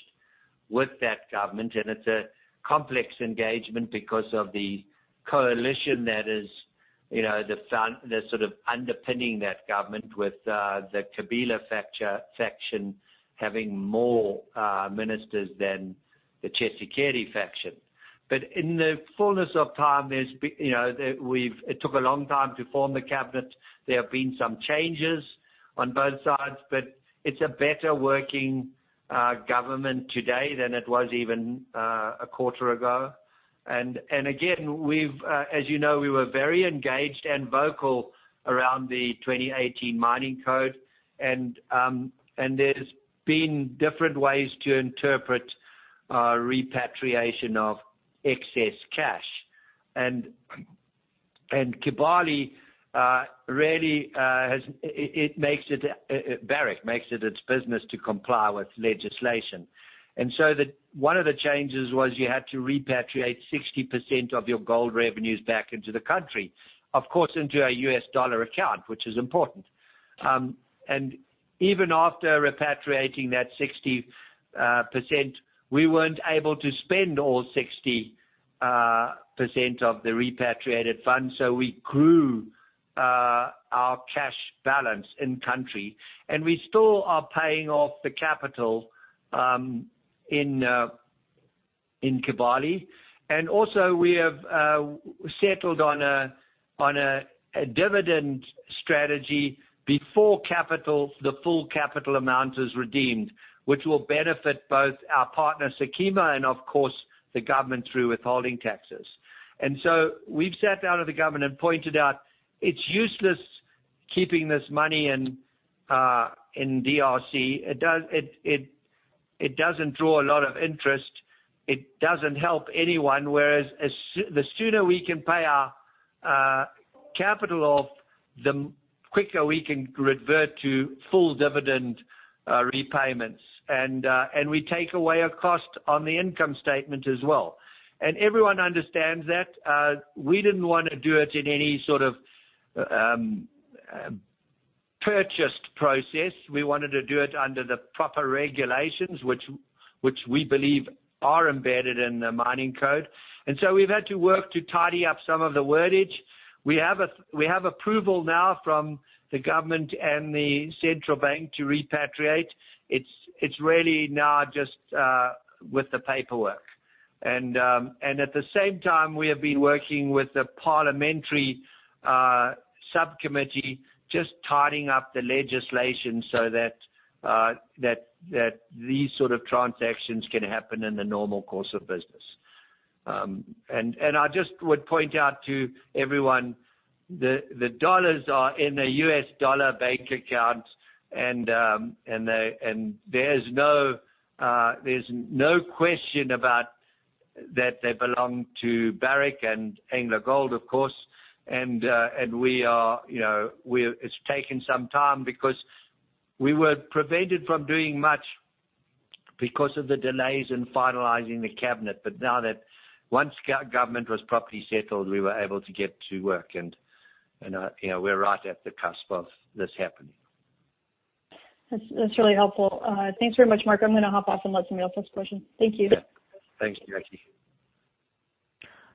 with that government, and it's a complex engagement because of the coalition that is sort of underpinning that government with the Kabila faction having more ministers than the Tshisekedi faction. In the fullness of time, it took a long time to form the cabinet. There have been some changes on both sides, it's a better working government today than it was even a quarter ago. Again, as you know, we were very engaged and vocal around the 2018 Mining Code. There's been different ways to interpret repatriation of excess cash. Barrick makes it its business to comply with legislation. One of the changes was you had to repatriate 60% of your gold revenues back into the country, of course, into a US dollar account, which is important. Even after repatriating that 60%, we weren't able to spend all 60% of the repatriated funds, so we grew our cash balance in country, and we still are paying off the capital in Kibali. Also we have settled on a dividend strategy before the full capital amount is redeemed, which will benefit both our partner, SOKIMO, and of course, the government through withholding taxes. We've sat down with the government and pointed out it's useless keeping this money in DRC. It doesn't draw a lot of interest. It doesn't help anyone. Whereas the sooner we can pay our capital off, the quicker we can revert to full dividend repayments. We take away a cost on the income statement as well. Everyone understands that. We didn't want to do it in any sort of purchased process. We wanted to do it under the proper regulations, which we believe are embedded in the Mining Code. So we've had to work to tidy up some of the wordage. We have approval now from the government and the central bank to repatriate. It's really now just with the paperwork. At the same time, we have been working with the parliamentary subcommittee, just tidying up the legislation so that these sort of transactions can happen in the normal course of business. I just would point out to everyone, the dollars are in a U.S. dollar bank account, and there's no question that they belong to Barrick and AngloGold, of course. It's taken some time because we were prevented from doing much because of the delays in finalizing the cabinet. Now that once government was properly settled, we were able to get to work, and we're right at the cusp of this happening. That's really helpful. Thanks very much, Mark. I'm gonna hop off and let somebody else ask a question. Thank you. Yeah. Thanks, Jackie.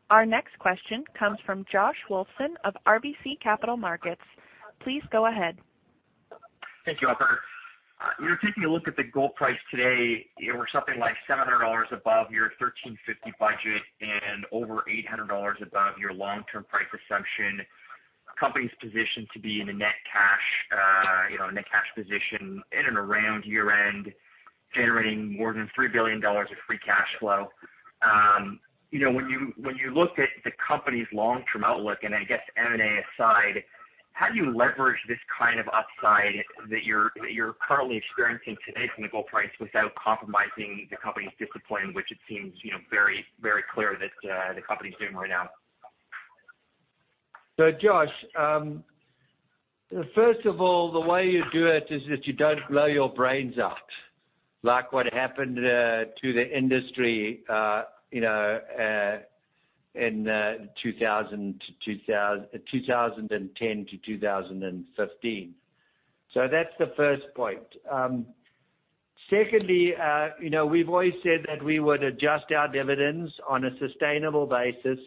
Our next question comes from Josh Wolfson of RBC Capital Markets. Please go ahead. Thank you, operator. When you are taking a look at the gold price today, we are something like $700 above your $1,350 budget and over $800 above your long-term price assumption. Company's positioned to be in a net cash position in and around year-end, generating more than $3 billion of free cash flow. When you look at the company's long-term outlook, and I guess M&A aside, how do you leverage this kind of upside that you are currently experiencing today from the gold price without compromising the company's discipline, which it seems very clear that the company is doing right now? Josh, first of all, the way you do it is that you don't blow your brains out, like what happened to the industry in 2010-2015. That's the first point. Secondly, we've always said that we would adjust our dividends on a sustainable basis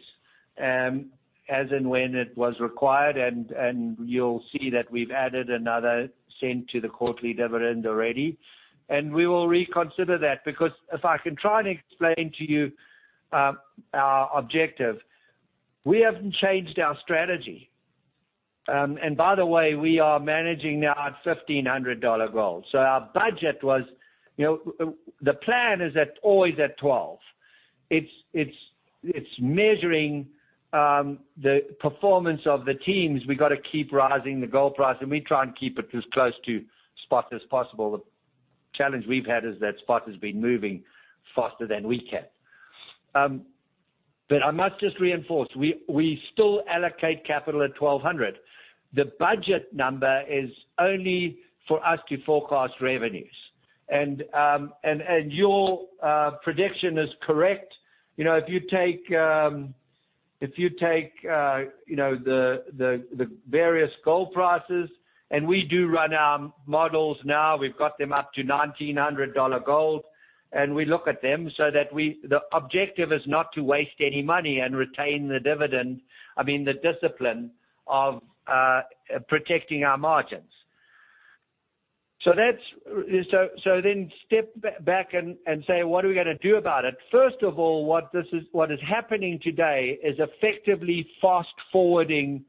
as and when it was required, and you'll see that we've added another $0.01 to the quarterly dividend already, and we will reconsider that. If I can try and explain to you our objective, we haven't changed our strategy. By the way, we are managing now at $1,500 gold. Our budget the plan is at always at 12. It's measuring the performance of the teams. We got to keep rising the gold price, and we try and keep it as close to spot as possible. The challenge we've had is that spot has been moving faster than we can. I must just reinforce, we still allocate capital at 1,200. Your prediction is correct. If you take the various gold prices, and we do run our models now, we've got them up to $1,900 gold, and we look at them so that the objective is not to waste any money and retain the dividend, I mean, the discipline of protecting our margins. Step back and say, what are we gonna do about it? First of all, what is happening today is effectively fast-forwarding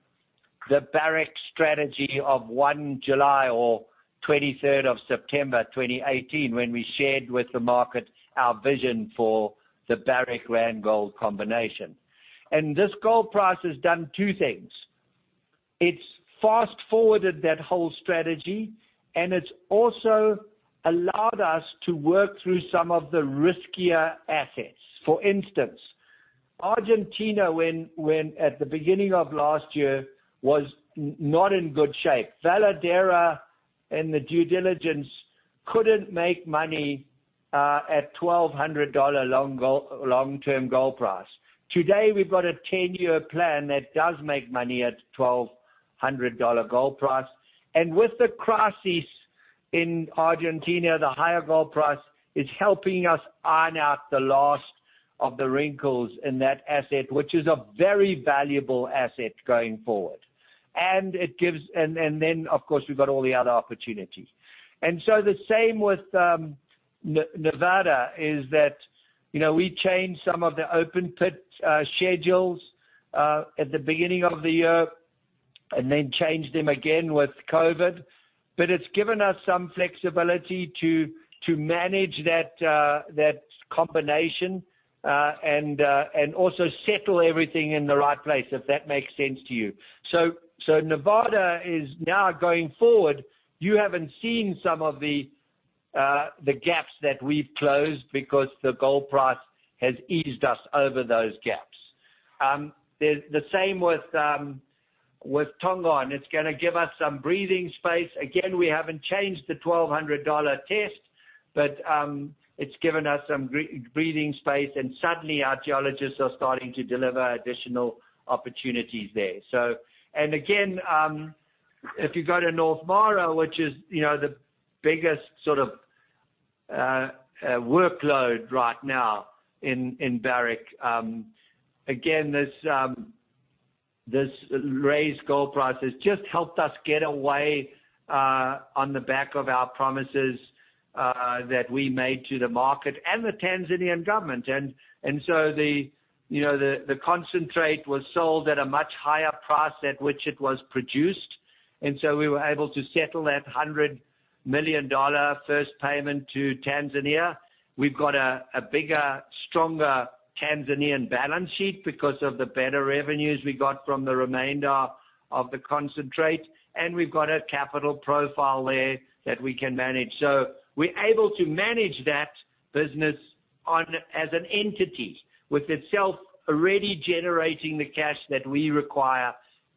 the Barrick strategy of 1 July or 23rd of September 2018, when we shared with the market our vision for the Barrick-Randgold combination. This gold price has done two things. It's fast-forwarded that whole strategy, and it's also allowed us to work through some of the riskier assets. For instance, Argentina, at the beginning of last year, was not in good shape. Veladero and the due diligence couldn't make money at $1,200 long-term gold price. Today, we've got a 10-year plan that does make money at $1,200 gold price. With the crisis in Argentina, the higher gold price is helping us iron out the last of the wrinkles in that asset, which is a very valuable asset going forward. Then of course, we've got all the other opportunities. The same with Nevada is that we changed some of the open pit schedules at the beginning of the year, and then changed them again with COVID. It's given us some flexibility to manage that combination, and also settle everything in the right place, if that makes sense to you. Nevada is now going forward, you haven't seen some of the gaps that we've closed because the gold price has eased us over those gaps. The same with Tongon, and it's going to give us some breathing space. Again, we haven't changed the $1,200 test, but it's given us some breathing space and suddenly our geologists are starting to deliver additional opportunities there. Again, if you go to North Mara, which is the biggest sort of workload right now in Barrick, again, this raised gold price has just helped us get away on the back of our promises that we made to the market and the Tanzanian government. The concentrate was sold at a much higher price at which it was produced. We were able to settle that $100 million first payment to Tanzania. We've got a bigger, stronger Tanzanian balance sheet because of the better revenues we got from the remainder of the concentrate. We've got a capital profile there that we can manage. We're able to manage that business as an entity with itself already generating the cash that we require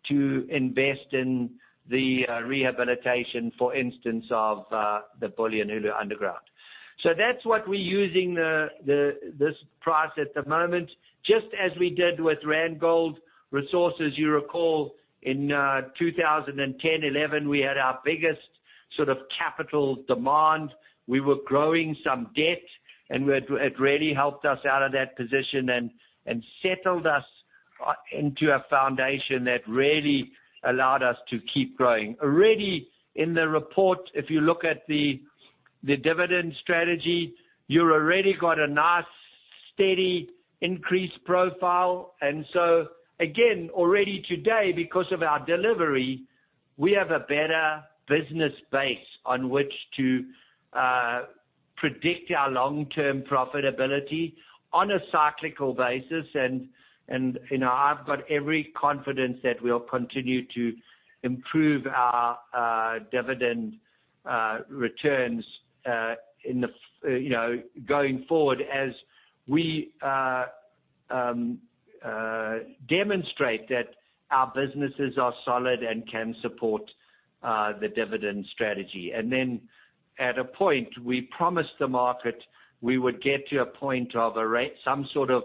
to invest in the rehabilitation, for instance, of the Bulyanhulu Underground. That's what we're using this price at the moment, just as we did with Randgold Resources, you recall, in 2010, 2011, we had our biggest sort of capital demand. We were growing some debt, and it really helped us out of that position and settled us into a foundation that really allowed us to keep growing. Already in the report, if you look at the dividend strategy, you're already got a nice, steady increase profile. Again, already today because of our delivery, we have a better business base on which to predict our long-term profitability on a cyclical basis. I've got every confidence that we'll continue to improve our dividend returns going forward as we demonstrate that our businesses are solid and can support the dividend strategy. Then at a point, we promised the market we would get to a point of some sort of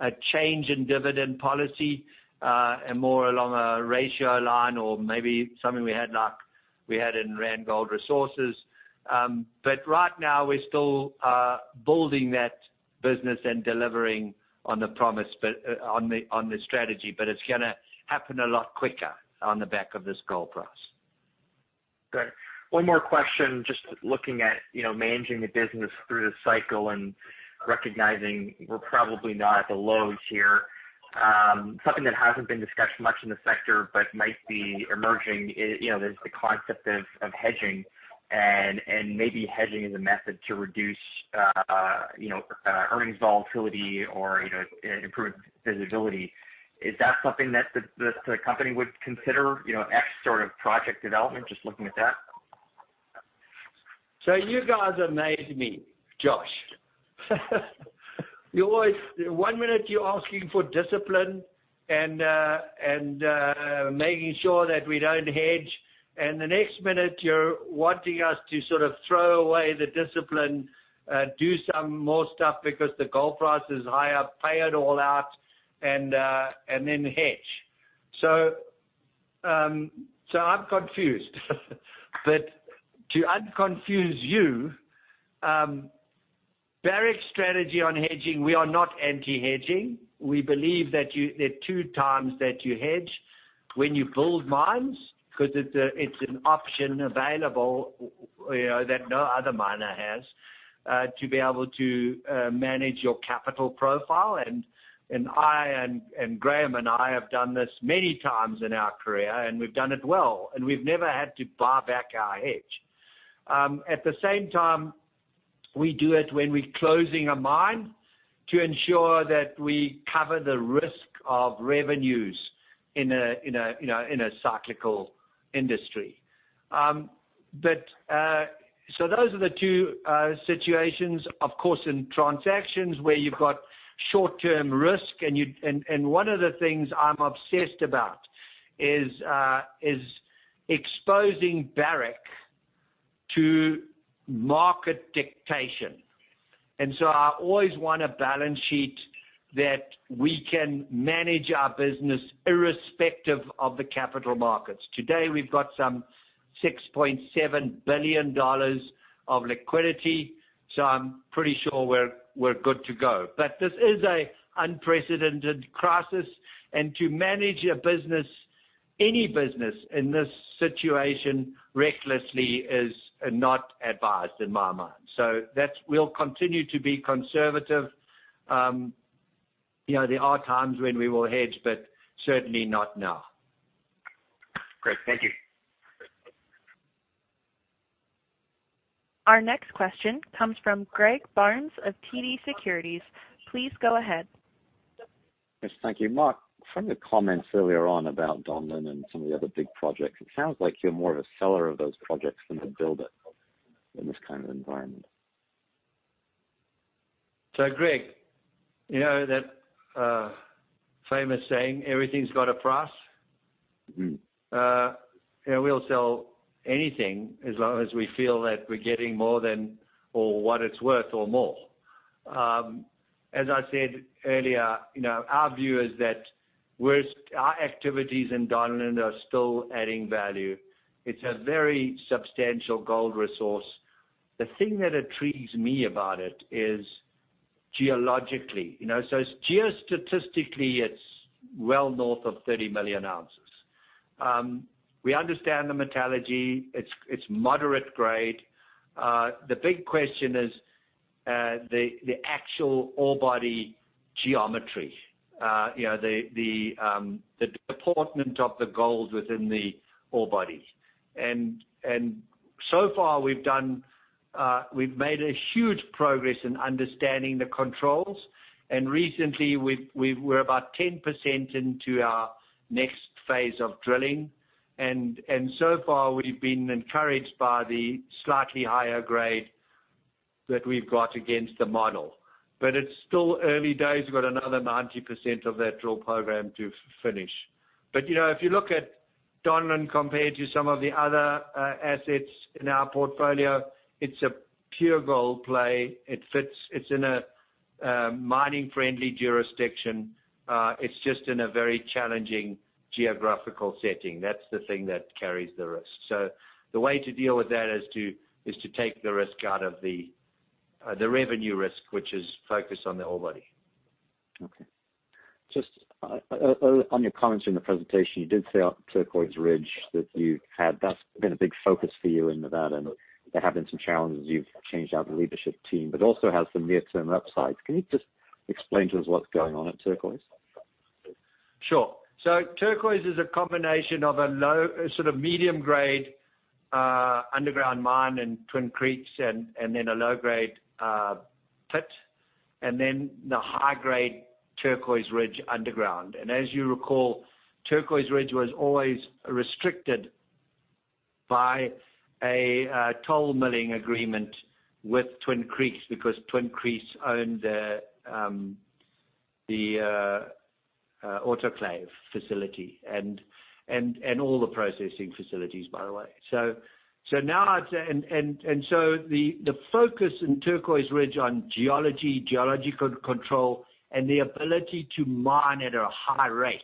a change in dividend policy, and more along a ratio line or maybe something like we had in Randgold Resources. Right now we're still building that business and delivering on the strategy. It's going to happen a lot quicker on the back of this gold price. Great. One more question. Just looking at managing the business through the cycle and recognizing we're probably not at the lows here. Something that hasn't been discussed much in the sector, but might be emerging is the concept of hedging, and maybe hedging as a method to reduce earnings volatility or improve visibility. Is that something that the company would consider ex sort of project development, just looking at that? You guys amaze me, Josh. One minute you're asking for discipline and making sure that we don't hedge, and the next minute you're wanting us to sort of throw away the discipline, do some more stuff because the gold price is higher, pay it all out, and then hedge. I'm confused. To unconfuse you, Barrick's strategy on hedging, we are not anti-hedging. We believe that there are two times that you hedge, when you build mines because it's an option available that no other miner has to be able to manage your capital profile. Graham and I have done this many times in our career, and we've done it well, and we've never had to buy back our hedge. At the same time, we do it when we're closing a mine to ensure that we cover the risk of revenues in a cyclical industry. Those are the two situations, of course, in transactions where you've got short-term risk. One of the things I'm obsessed about is exposing Barrick to market dictation. I always want a balance sheet that we can manage our business irrespective of the capital markets. Today we've got $6.7 billion of liquidity. I'm pretty sure we're good to go. This is an unprecedented crisis, and to manage a business, any business in this situation recklessly is not advised in my mind. We'll continue to be conservative. There are times when we will hedge, but certainly not now. Great. Thank you. Our next question comes from Greg Barnes of TD Securities. Please go ahead. Yes, thank you. Mark, from the comments earlier on about Donlin and some of the other big projects, it sounds like you're more of a seller of those projects than a builder in this kind of environment. Greg, you know that famous saying, everything's got a price? We'll sell anything as long as we feel that we're getting more than or what it's worth or more. As I said earlier, our view is that our activities in Donlin are still adding value. It's a very substantial gold resource. The thing that intrigues me about it is geologically. Geo-statistically, it's well north of 30 million ounces. We understand the metallurgy. It's moderate grade. The big question is the actual ore body geometry. The deportment of the gold within the ore body. So far, we've made a huge progress in understanding the controls, and recently we're about 10% into our next phase of drilling. So far, we've been encouraged by the slightly higher grade that we've got against the model. It's still early days. We've got another 90% of that drill program to finish. If you look at Donlin compared to some of the other assets in our portfolio, it's a pure gold play. It fits. It's in a mining-friendly jurisdiction. It's just in a very challenging geographical setting. That's the thing that carries the risk. The way to deal with that is to take the risk out of the revenue risk, which is focused on the ore body. Okay. Just on your comments during the presentation, you did say on Turquoise Ridge that's been a big focus for you in Nevada, and there have been some challenges. You've changed out the leadership team but also have some near-term upsides. Can you just explain to us what's going on at Turquoise? Sure. Turquoise is a combination of a sort of medium-grade underground mine in Twin Creeks and then a low-grade pit, and then the high-grade Turquoise Ridge underground. As you recall, Turquoise Ridge was always restricted by a toll milling agreement with Twin Creeks because Twin Creeks owned the autoclave facility and all the processing facilities, by the way. The focus in Turquoise Ridge on geology, geological control, and the ability to mine at a high rate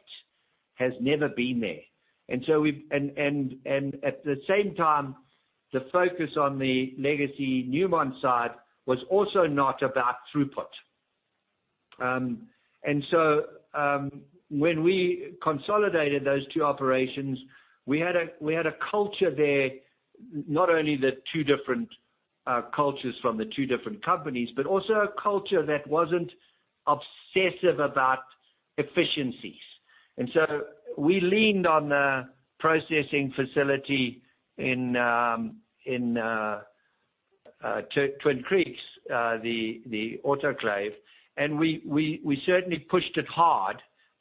has never been there. At the same time, the focus on the legacy Newmont side was also not about throughput. When we consolidated those two operations, we had a culture there, not only the two different cultures from the two different companies, but also a culture that wasn't obsessive about efficiencies. We leaned on the processing facility in Twin Creeks, the autoclave, and we certainly pushed it hard,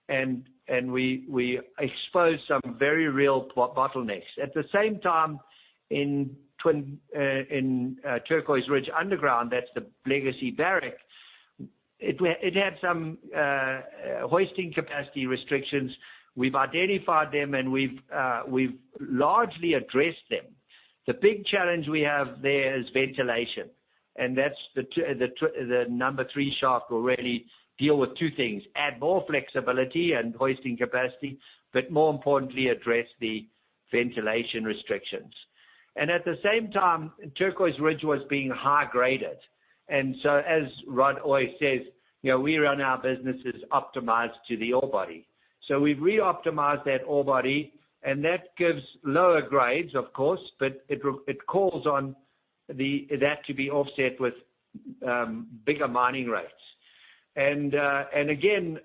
and we exposed some very real bottlenecks. At the same time, in Turquoise Ridge underground, that's the legacy Barrick, it had some hoisting capacity restrictions. We've identified them, and we've largely addressed them. The big challenge we have there is ventilation, that's the number three shaft will really deal with two things, add more flexibility and hoisting capacity, but more importantly, address the ventilation restrictions. At the same time, Turquoise Ridge was being high-graded. As Rod always says, we run our businesses optimized to the ore body. We've re-optimized that ore body, and that gives lower grades, of course, but it calls on that to be offset with bigger mining rates. Again,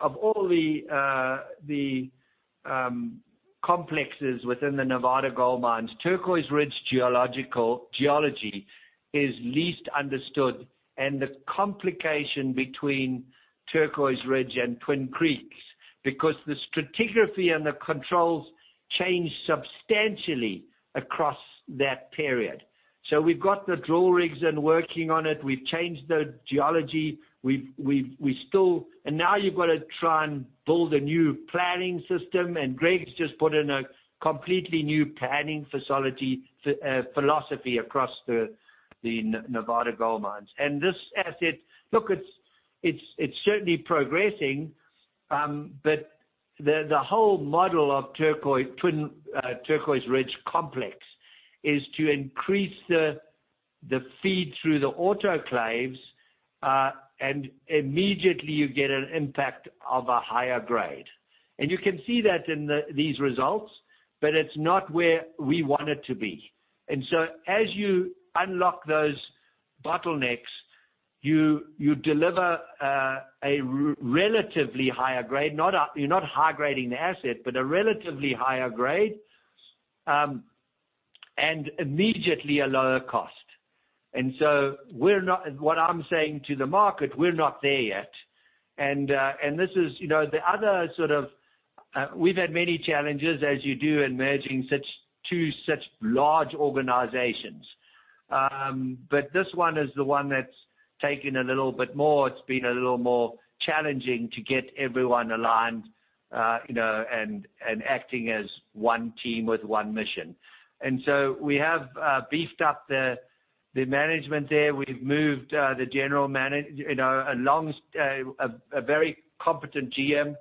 of all the complexes within the Nevada Gold Mines, Turquoise Ridge geology is least understood, and the complication between Turquoise Ridge and Twin Creeks, because the stratigraphy and the controls changed substantially across that period. We've got the drill rigs and working on it. We've changed the geology. Now you've got to try and build a new planning system, and Greg's just put in a completely new planning philosophy across the Nevada Gold Mines. This asset, look, it's certainly progressing. The whole model of Turquoise Ridge complex is to increase the feed through the autoclaves, and immediately you get an impact of a higher grade. You can see that in these results, but it's not where we want it to be. As you unlock those bottlenecks, you deliver a relatively higher grade, you're not high-grading the asset, but a relatively higher grade, and immediately a lower cost. What I'm saying to the market, we're not there yet. We've had many challenges as you do in merging two such large organizations. This one is the one that's taken a little bit more. It's been a little more challenging to get everyone aligned and acting as one team with one mission. We have beefed up the management there. We've moved the general manager, a very competent GM,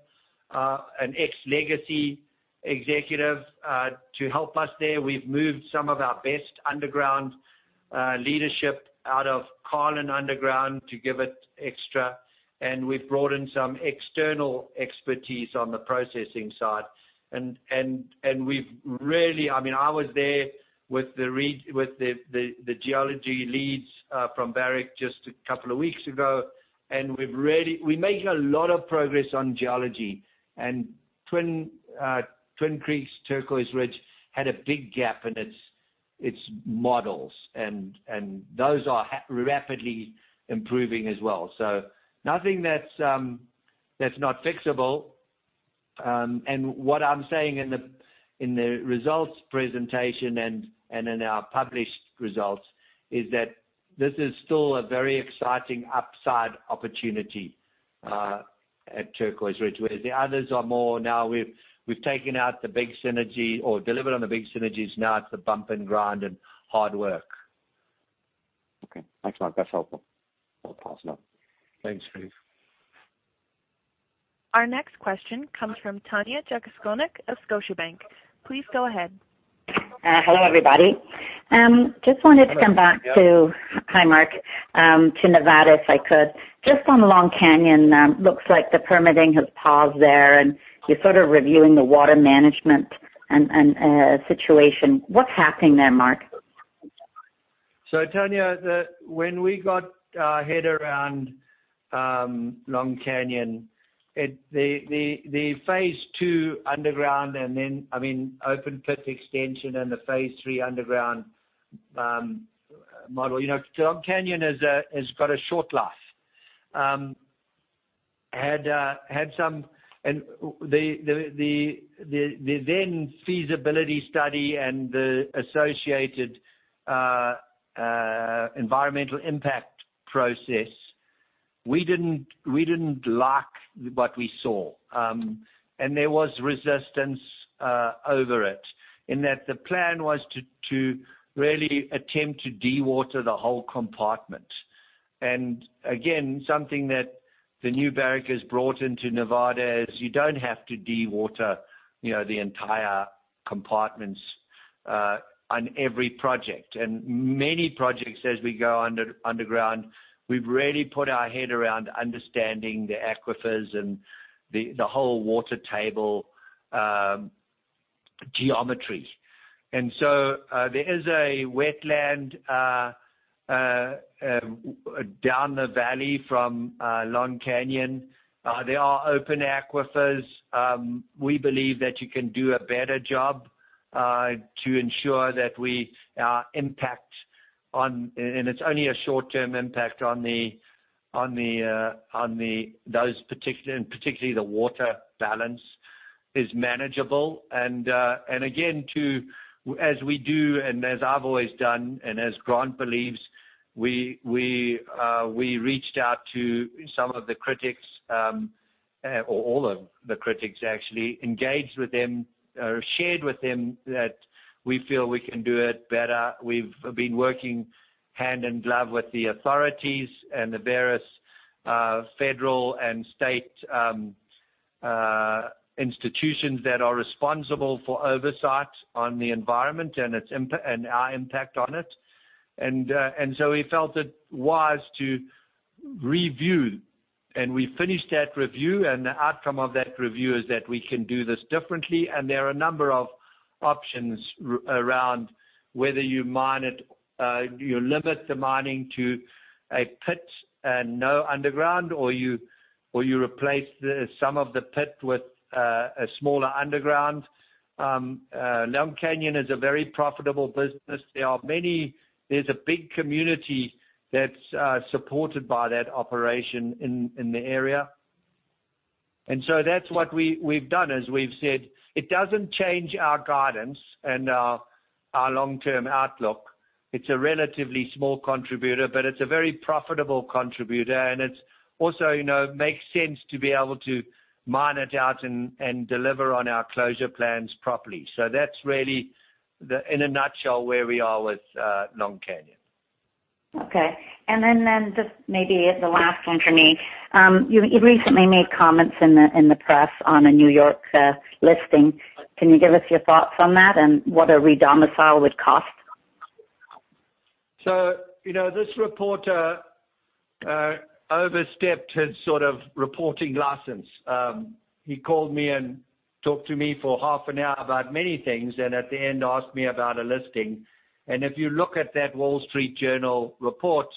an ex-legacy executive, to help us there. We've moved some of our best underground leadership out of Carlin Underground to give it extra, and we've brought in some external expertise on the processing side. I was there with the geology leads from Barrick just a couple of weeks ago. We're making a lot of progress on geology and Twin Creeks. Turquoise Ridge had a big gap in its models and those are rapidly improving as well. Nothing that's not fixable. What I'm saying in the results presentation and in our published results is that this is still a very exciting upside opportunity at Turquoise Ridge, whereas the others are more now we've taken out the big synergy or delivered on the big synergies, now it's the bump and grind and hard work. Okay. Thanks, Mark. That's helpful. I'll pass now. Thanks, Greg. Our next question comes from Tanya Jakusconek of Scotiabank. Please go ahead. Hello, everybody. Just wanted to come back. Hello, Tanya. Hi, Mark. To Nevada, if I could. Just on Long Canyon, looks like the permitting has paused there, and you're sort of reviewing the water management and situation. What's happening there, Mark? Tanya, when we got our head around Long Canyon, the phase II underground and then open pit extension and the phase III underground model. Long Canyon has got a short life. The then feasibility study and the associated environmental impact process, we didn't like what we saw. There was resistance over it in that the plan was to really attempt to dewater the whole compartment. Again, something that the new Barrick has brought into Nevada is you don't have to dewater the entire compartments on every project. Many projects as we go underground, we've really put our head around understanding the aquifers and the whole water table geometry. There is a wetland down the valley from Long Canyon. There are open aquifers. We believe that you can do a better job to ensure that we impact on, and it's only a short-term impact on those particular, and particularly the water balance is manageable. Again, as we do and as I've always done and as Grant believes, we reached out to some of the critics, or all of the critics actually, engaged with them, shared with them that we feel we can do it better. We've been working hand in glove with the authorities and the various federal and state institutions that are responsible for oversight on the environment and our impact on it. So we felt it wise to review, and we finished that review, and the outcome of that review is that we can do this differently. There are a number of options around whether you limit the mining to a pit and no underground, or you replace some of the pit with a smaller underground. Long Canyon is a very profitable business. There's a big community that's supported by that operation in the area. That's what we've done is we've said it doesn't change our guidance and our long-term outlook. It's a relatively small contributor, but it's a very profitable contributor, and it also makes sense to be able to mine it out and deliver on our closure plans properly. That's really in a nutshell where we are with Long Canyon. Okay. Just maybe the last one for me. You recently made comments in the press on a New York listing. Can you give us your thoughts on that and what a re-domicile would cost? This reporter overstepped his sort of reporting license. He called me and talked to me for half an hour about many things, at the end asked me about a listing. If you look at that Wall Street Journal report,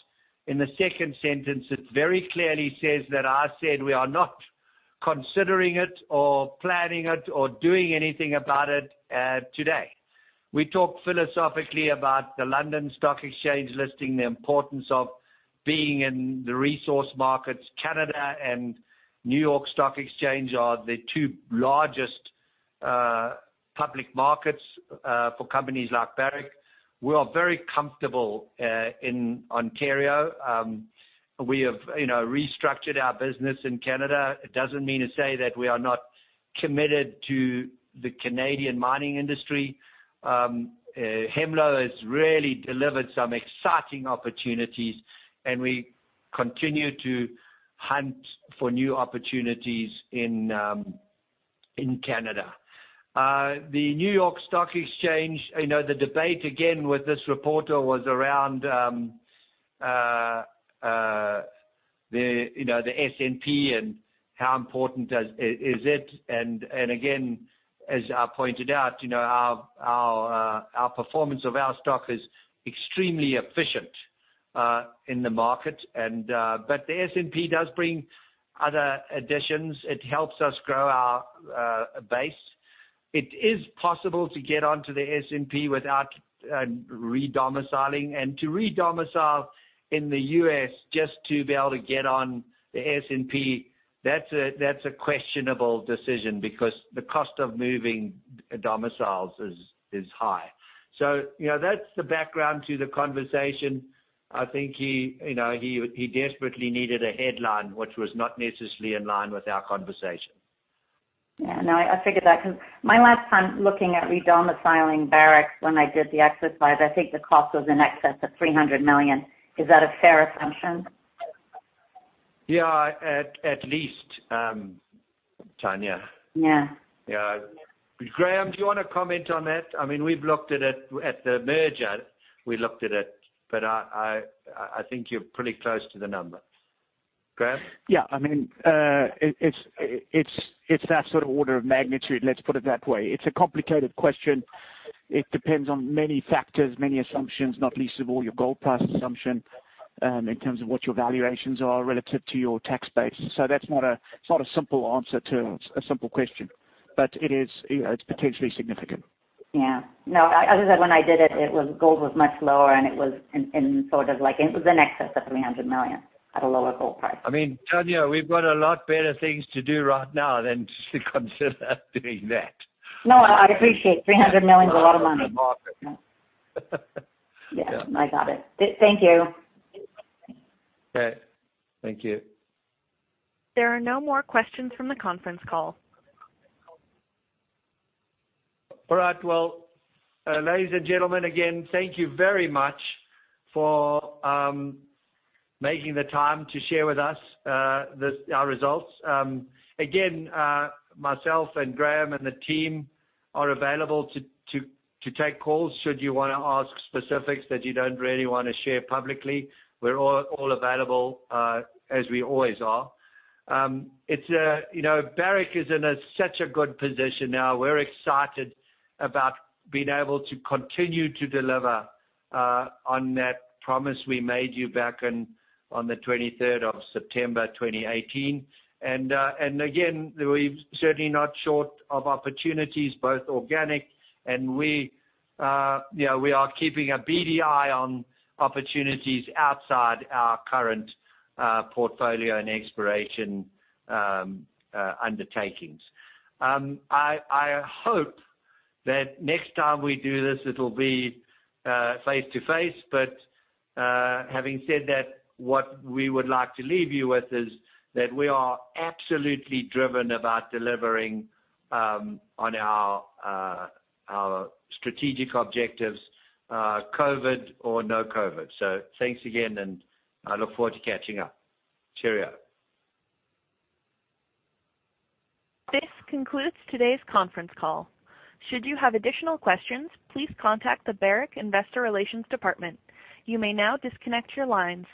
in the second sentence, it very clearly says that I said we are not considering it or planning it or doing anything about it today. We talk philosophically about the London Stock Exchange listing, the importance of being in the resource markets. Canada and New York Stock Exchange are the two largest public markets for companies like Barrick. We are very comfortable in Ontario. We have restructured our business in Canada. It doesn't mean to say that we are not committed to the Canadian mining industry. Hemlo has really delivered some exciting opportunities, we continue to hunt for new opportunities in Canada. The New York Stock Exchange, the debate again with this reporter was around the S&P and how important is it. Again, as I pointed out, our performance of our stock is extremely efficient in the market. The S&P does bring other additions. It helps us grow our base. It is possible to get onto the S&P without re-domiciling. To re-domicile in the U.S. just to be able to get on the S&P, that's a questionable decision because the cost of moving domiciles is high. That's the background to the conversation. I think he desperately needed a headline, which was not necessarily in line with our conversation. Yeah, no, I figured that because my last time looking at re-domiciling Barrick when I did the exercise, I think the cost was in excess of $300 million. Is that a fair assumption? Yeah. At least, Tanya. Yeah. Graham, do you want to comment on that? I mean, we've looked at it at the merger. We looked at it, but I think you're pretty close to the number. Graham? Yeah, it's that sort of order of magnitude, let's put it that way. It's a complicated question. It depends on many factors, many assumptions, not least of all your gold price assumption, in terms of what your valuations are relative to your tax base. That's not a simple answer to a simple question, but it's potentially significant. Yeah. No, as I said, when I did it, gold was much lower, and it was in excess of $300 million at a lower gold price. I mean, Tanya, we've got a lot better things to do right now than to consider doing that. No, I appreciate $300 million is a lot of money. Yeah. I got it. Thank you. Okay. Thank you. There are no more questions from the conference call. All right. Well, ladies and gentlemen, again, thank you very much for making the time to share with us our results. Again, myself and Graham and the team are available to take calls should you want to ask specifics that you don't really want to share publicly. We're all available, as we always are. Barrick is in such a good position now. We're excited about being able to continue to deliver on that promise we made you back on the 23rd of September 2018. Again, we're certainly not short of opportunities, both organic and we are keeping a beady eye on opportunities outside our current portfolio and exploration undertakings. I hope that next time we do this, it'll be face-to-face. Having said that, what we would like to leave you with is that we are absolutely driven about delivering on our strategic objectives, COVID or no COVID. Thanks again, and I look forward to catching up. Cheerio. This concludes today's conference call. Should you have additional questions, please contact the Barrick Investor Relations department. You may now disconnect your lines.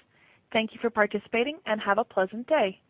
Thank you for participating and have a pleasant day.